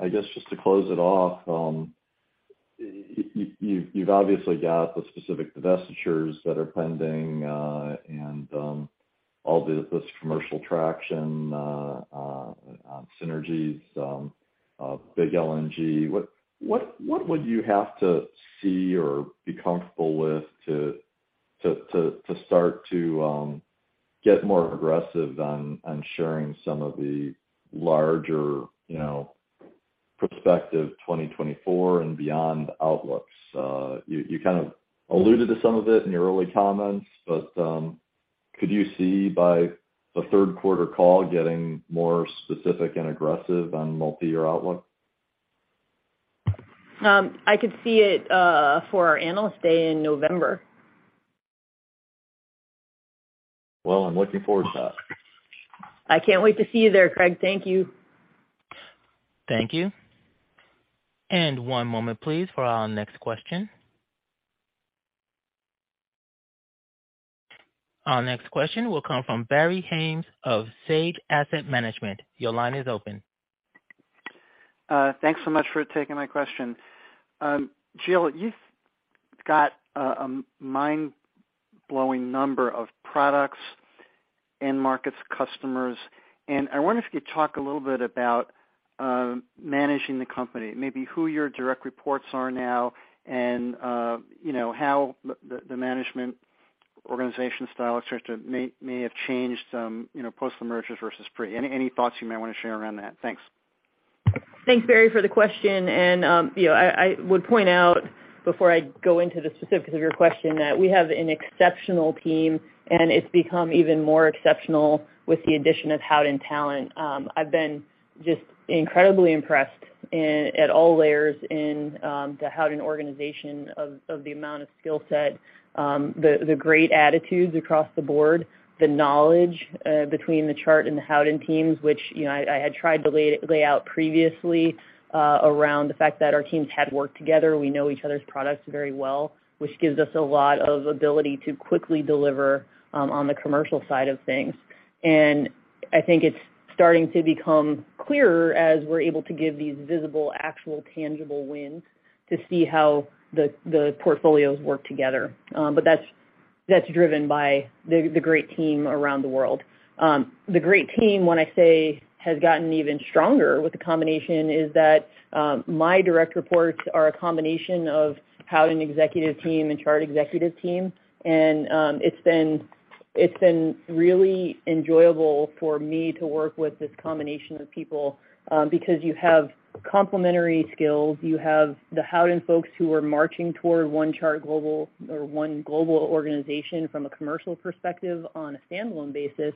S9: I guess just to close it off, you've obviously got the specific divestitures that are pending, and all this commercial traction, synergies, big LNG. What would you have to see or be comfortable with to start to get more aggressive on sharing some of the larger, you know, prospective 2024 and beyond outlooks? You kind of alluded to some of it in your early comments, but could you see by the third quarter call getting more specific and aggressive on multi-year outlook?
S2: I could see it, for our Analyst Day in November.
S9: Well, I'm looking forward to that.
S2: I can't wait to see you there, Craig. Thank you.
S1: Thank you. One moment please for our next question. Our next question will come from Barry Haimes of Sage Asset Management. Your line is open.
S13: Thanks so much for taking my question. Jill, you've got a mind-blowing number of products, end markets, customers, and I wonder if you could talk a little bit about managing the company, maybe who your direct reports are now and, you know, how the management organization style, et cetera, may have changed, you know, post the mergers versus pre. Any thoughts you might wanna share around that? Thanks.
S2: Thanks, Barry, for the question. You know, I would point out, before I go into the specifics of your question, that we have an exceptional team, and it's become even more exceptional with the addition of Howden talent. I've been just incredibly impressed at all layers in the Howden organization of the amount of skill set, the great attitudes across the board, the knowledge between the Chart and the Howden teams, which, you know, I had tried to lay out previously around the fact that our teams had worked together. We know each other's products very well, which gives us a lot of ability to quickly deliver on the commercial side of things. I think it's starting to become clearer as we're able to give these visible, actual, tangible wins to see how the portfolios work together. But that's driven by the great team around the world. The great team, when I say has gotten even stronger with the combination, is that my direct reports are a combination of Howden executive team and Chart executive team. And it's been really enjoyable for me to work with this combination of people because you have complementary skills. You have the Howden folks who are marching toward one Chart global or one global organization from a commercial perspective on a standalone basis.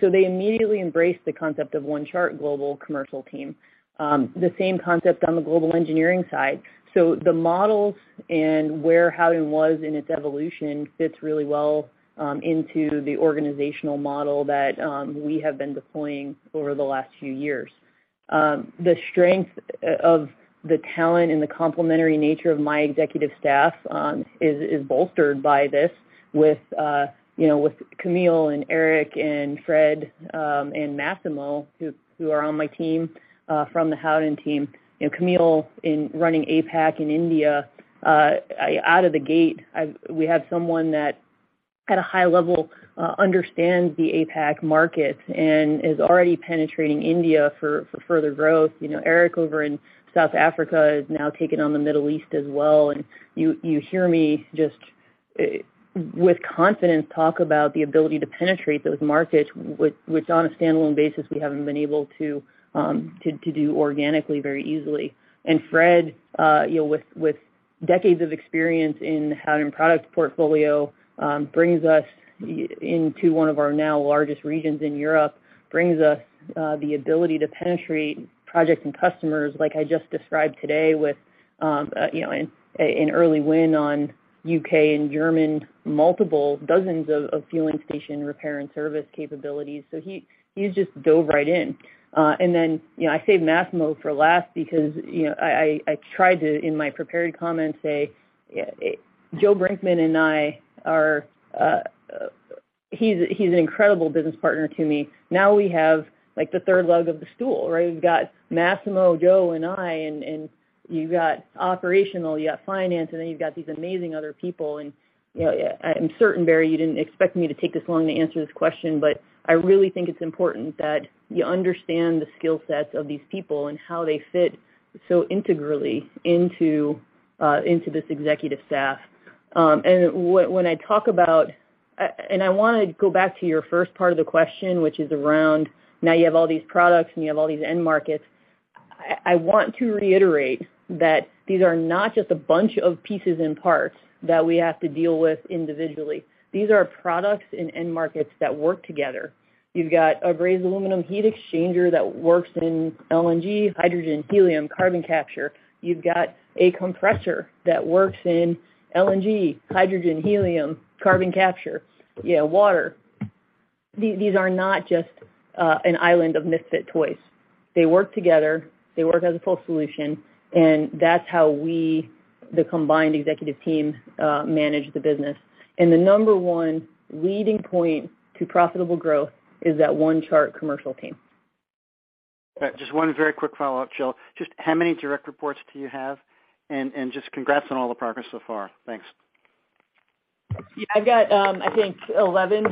S2: So they immediately embrace the concept of one Chart global commercial team. The same concept on the global engineering side. The models and where Howden was in its evolution fits really well into the organizational model that we have been deploying over the last few years. The strength of the talent and the complementary nature of my executive staff is bolstered by this with, you know, with Camille and Eric and Fred, and Massimo, who are on my team from the Howden team. You know, Camille in running APAC in India out of the gate, we have someone that at a high level understands the APAC markets and is already penetrating India for further growth. You know, Eric over in South Africa has now taken on the Middle East as well. You, you hear me just with confidence, talk about the ability to penetrate those markets, which on a standalone basis we haven't been able to do organically very easily. Fred, you know, with decades of experience in Howden product portfolio, brings us into one of our now largest regions in Europe, brings us the ability to penetrate projects and customers like I just described today with, you know, an early win on U.K. and German, multiple dozens of fueling station repair and service capabilities. He's just dove right in. Then, you know, I saved Massimo for last because, you know, I tried to, in my prepared comments, say Joe Brinkman and I are. He's an incredible business partner to me. Now we have, like, the third leg of the stool, right? We've got Massimo, Joe, and I, and you've got operational, you've got finance, and then you've got these amazing other people. You know, I'm certain, Barry, you didn't expect me to take this long to answer this question, but I really think it's important that you understand the skill sets of these people and how they fit so integrally into this executive staff. When I talk about... I want to go back to your first part of the question, which is around, now you have all these products and you have all these end markets. I want to reiterate that these are not just a bunch of pieces and parts that we have to deal with individually. These are products and end markets that work together. You've got a raised aluminum heat exchanger that works in LNG, hydrogen, helium, carbon capture. You've got a compressor that works in LNG, hydrogen, helium, carbon capture, you know, water. These are not just an island of misfit toys. They work together, they work as a full solution, and that's how we, the combined executive team, manage the business. The number one leading point to profitable growth is that one Chart commercial team.
S13: All right. Just one very quick follow-up, Jill. Just how many direct reports do you have? Just congrats on all the progress so far. Thanks.
S2: Yeah. I've got, I think 11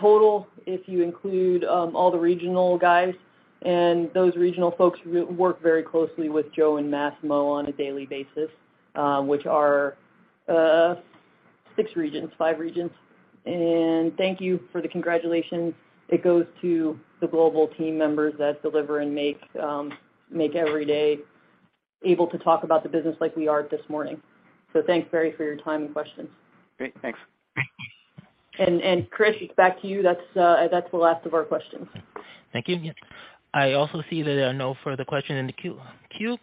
S2: total, if you include all the regional guys. Those regional folks work very closely with Joe and Massimo on a daily basis, which are six regions, five regions. Thank you for the congratulations. It goes to the global team members that deliver and make every day able to talk about the business like we are this morning. Thanks, Barry, for your time and questions.
S13: Great. Thanks.
S2: Chris, back to you. That's the last of our questions.
S1: Thank you. I also see that there are no further questions in the q-queue,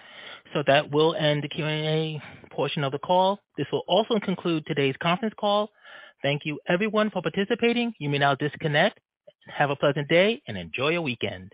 S1: so that will end the Q&A portion of the call. This will also conclude today's conference call. Thank you everyone for participating. You may now disconnect. Have a pleasant day and enjoy your weekend.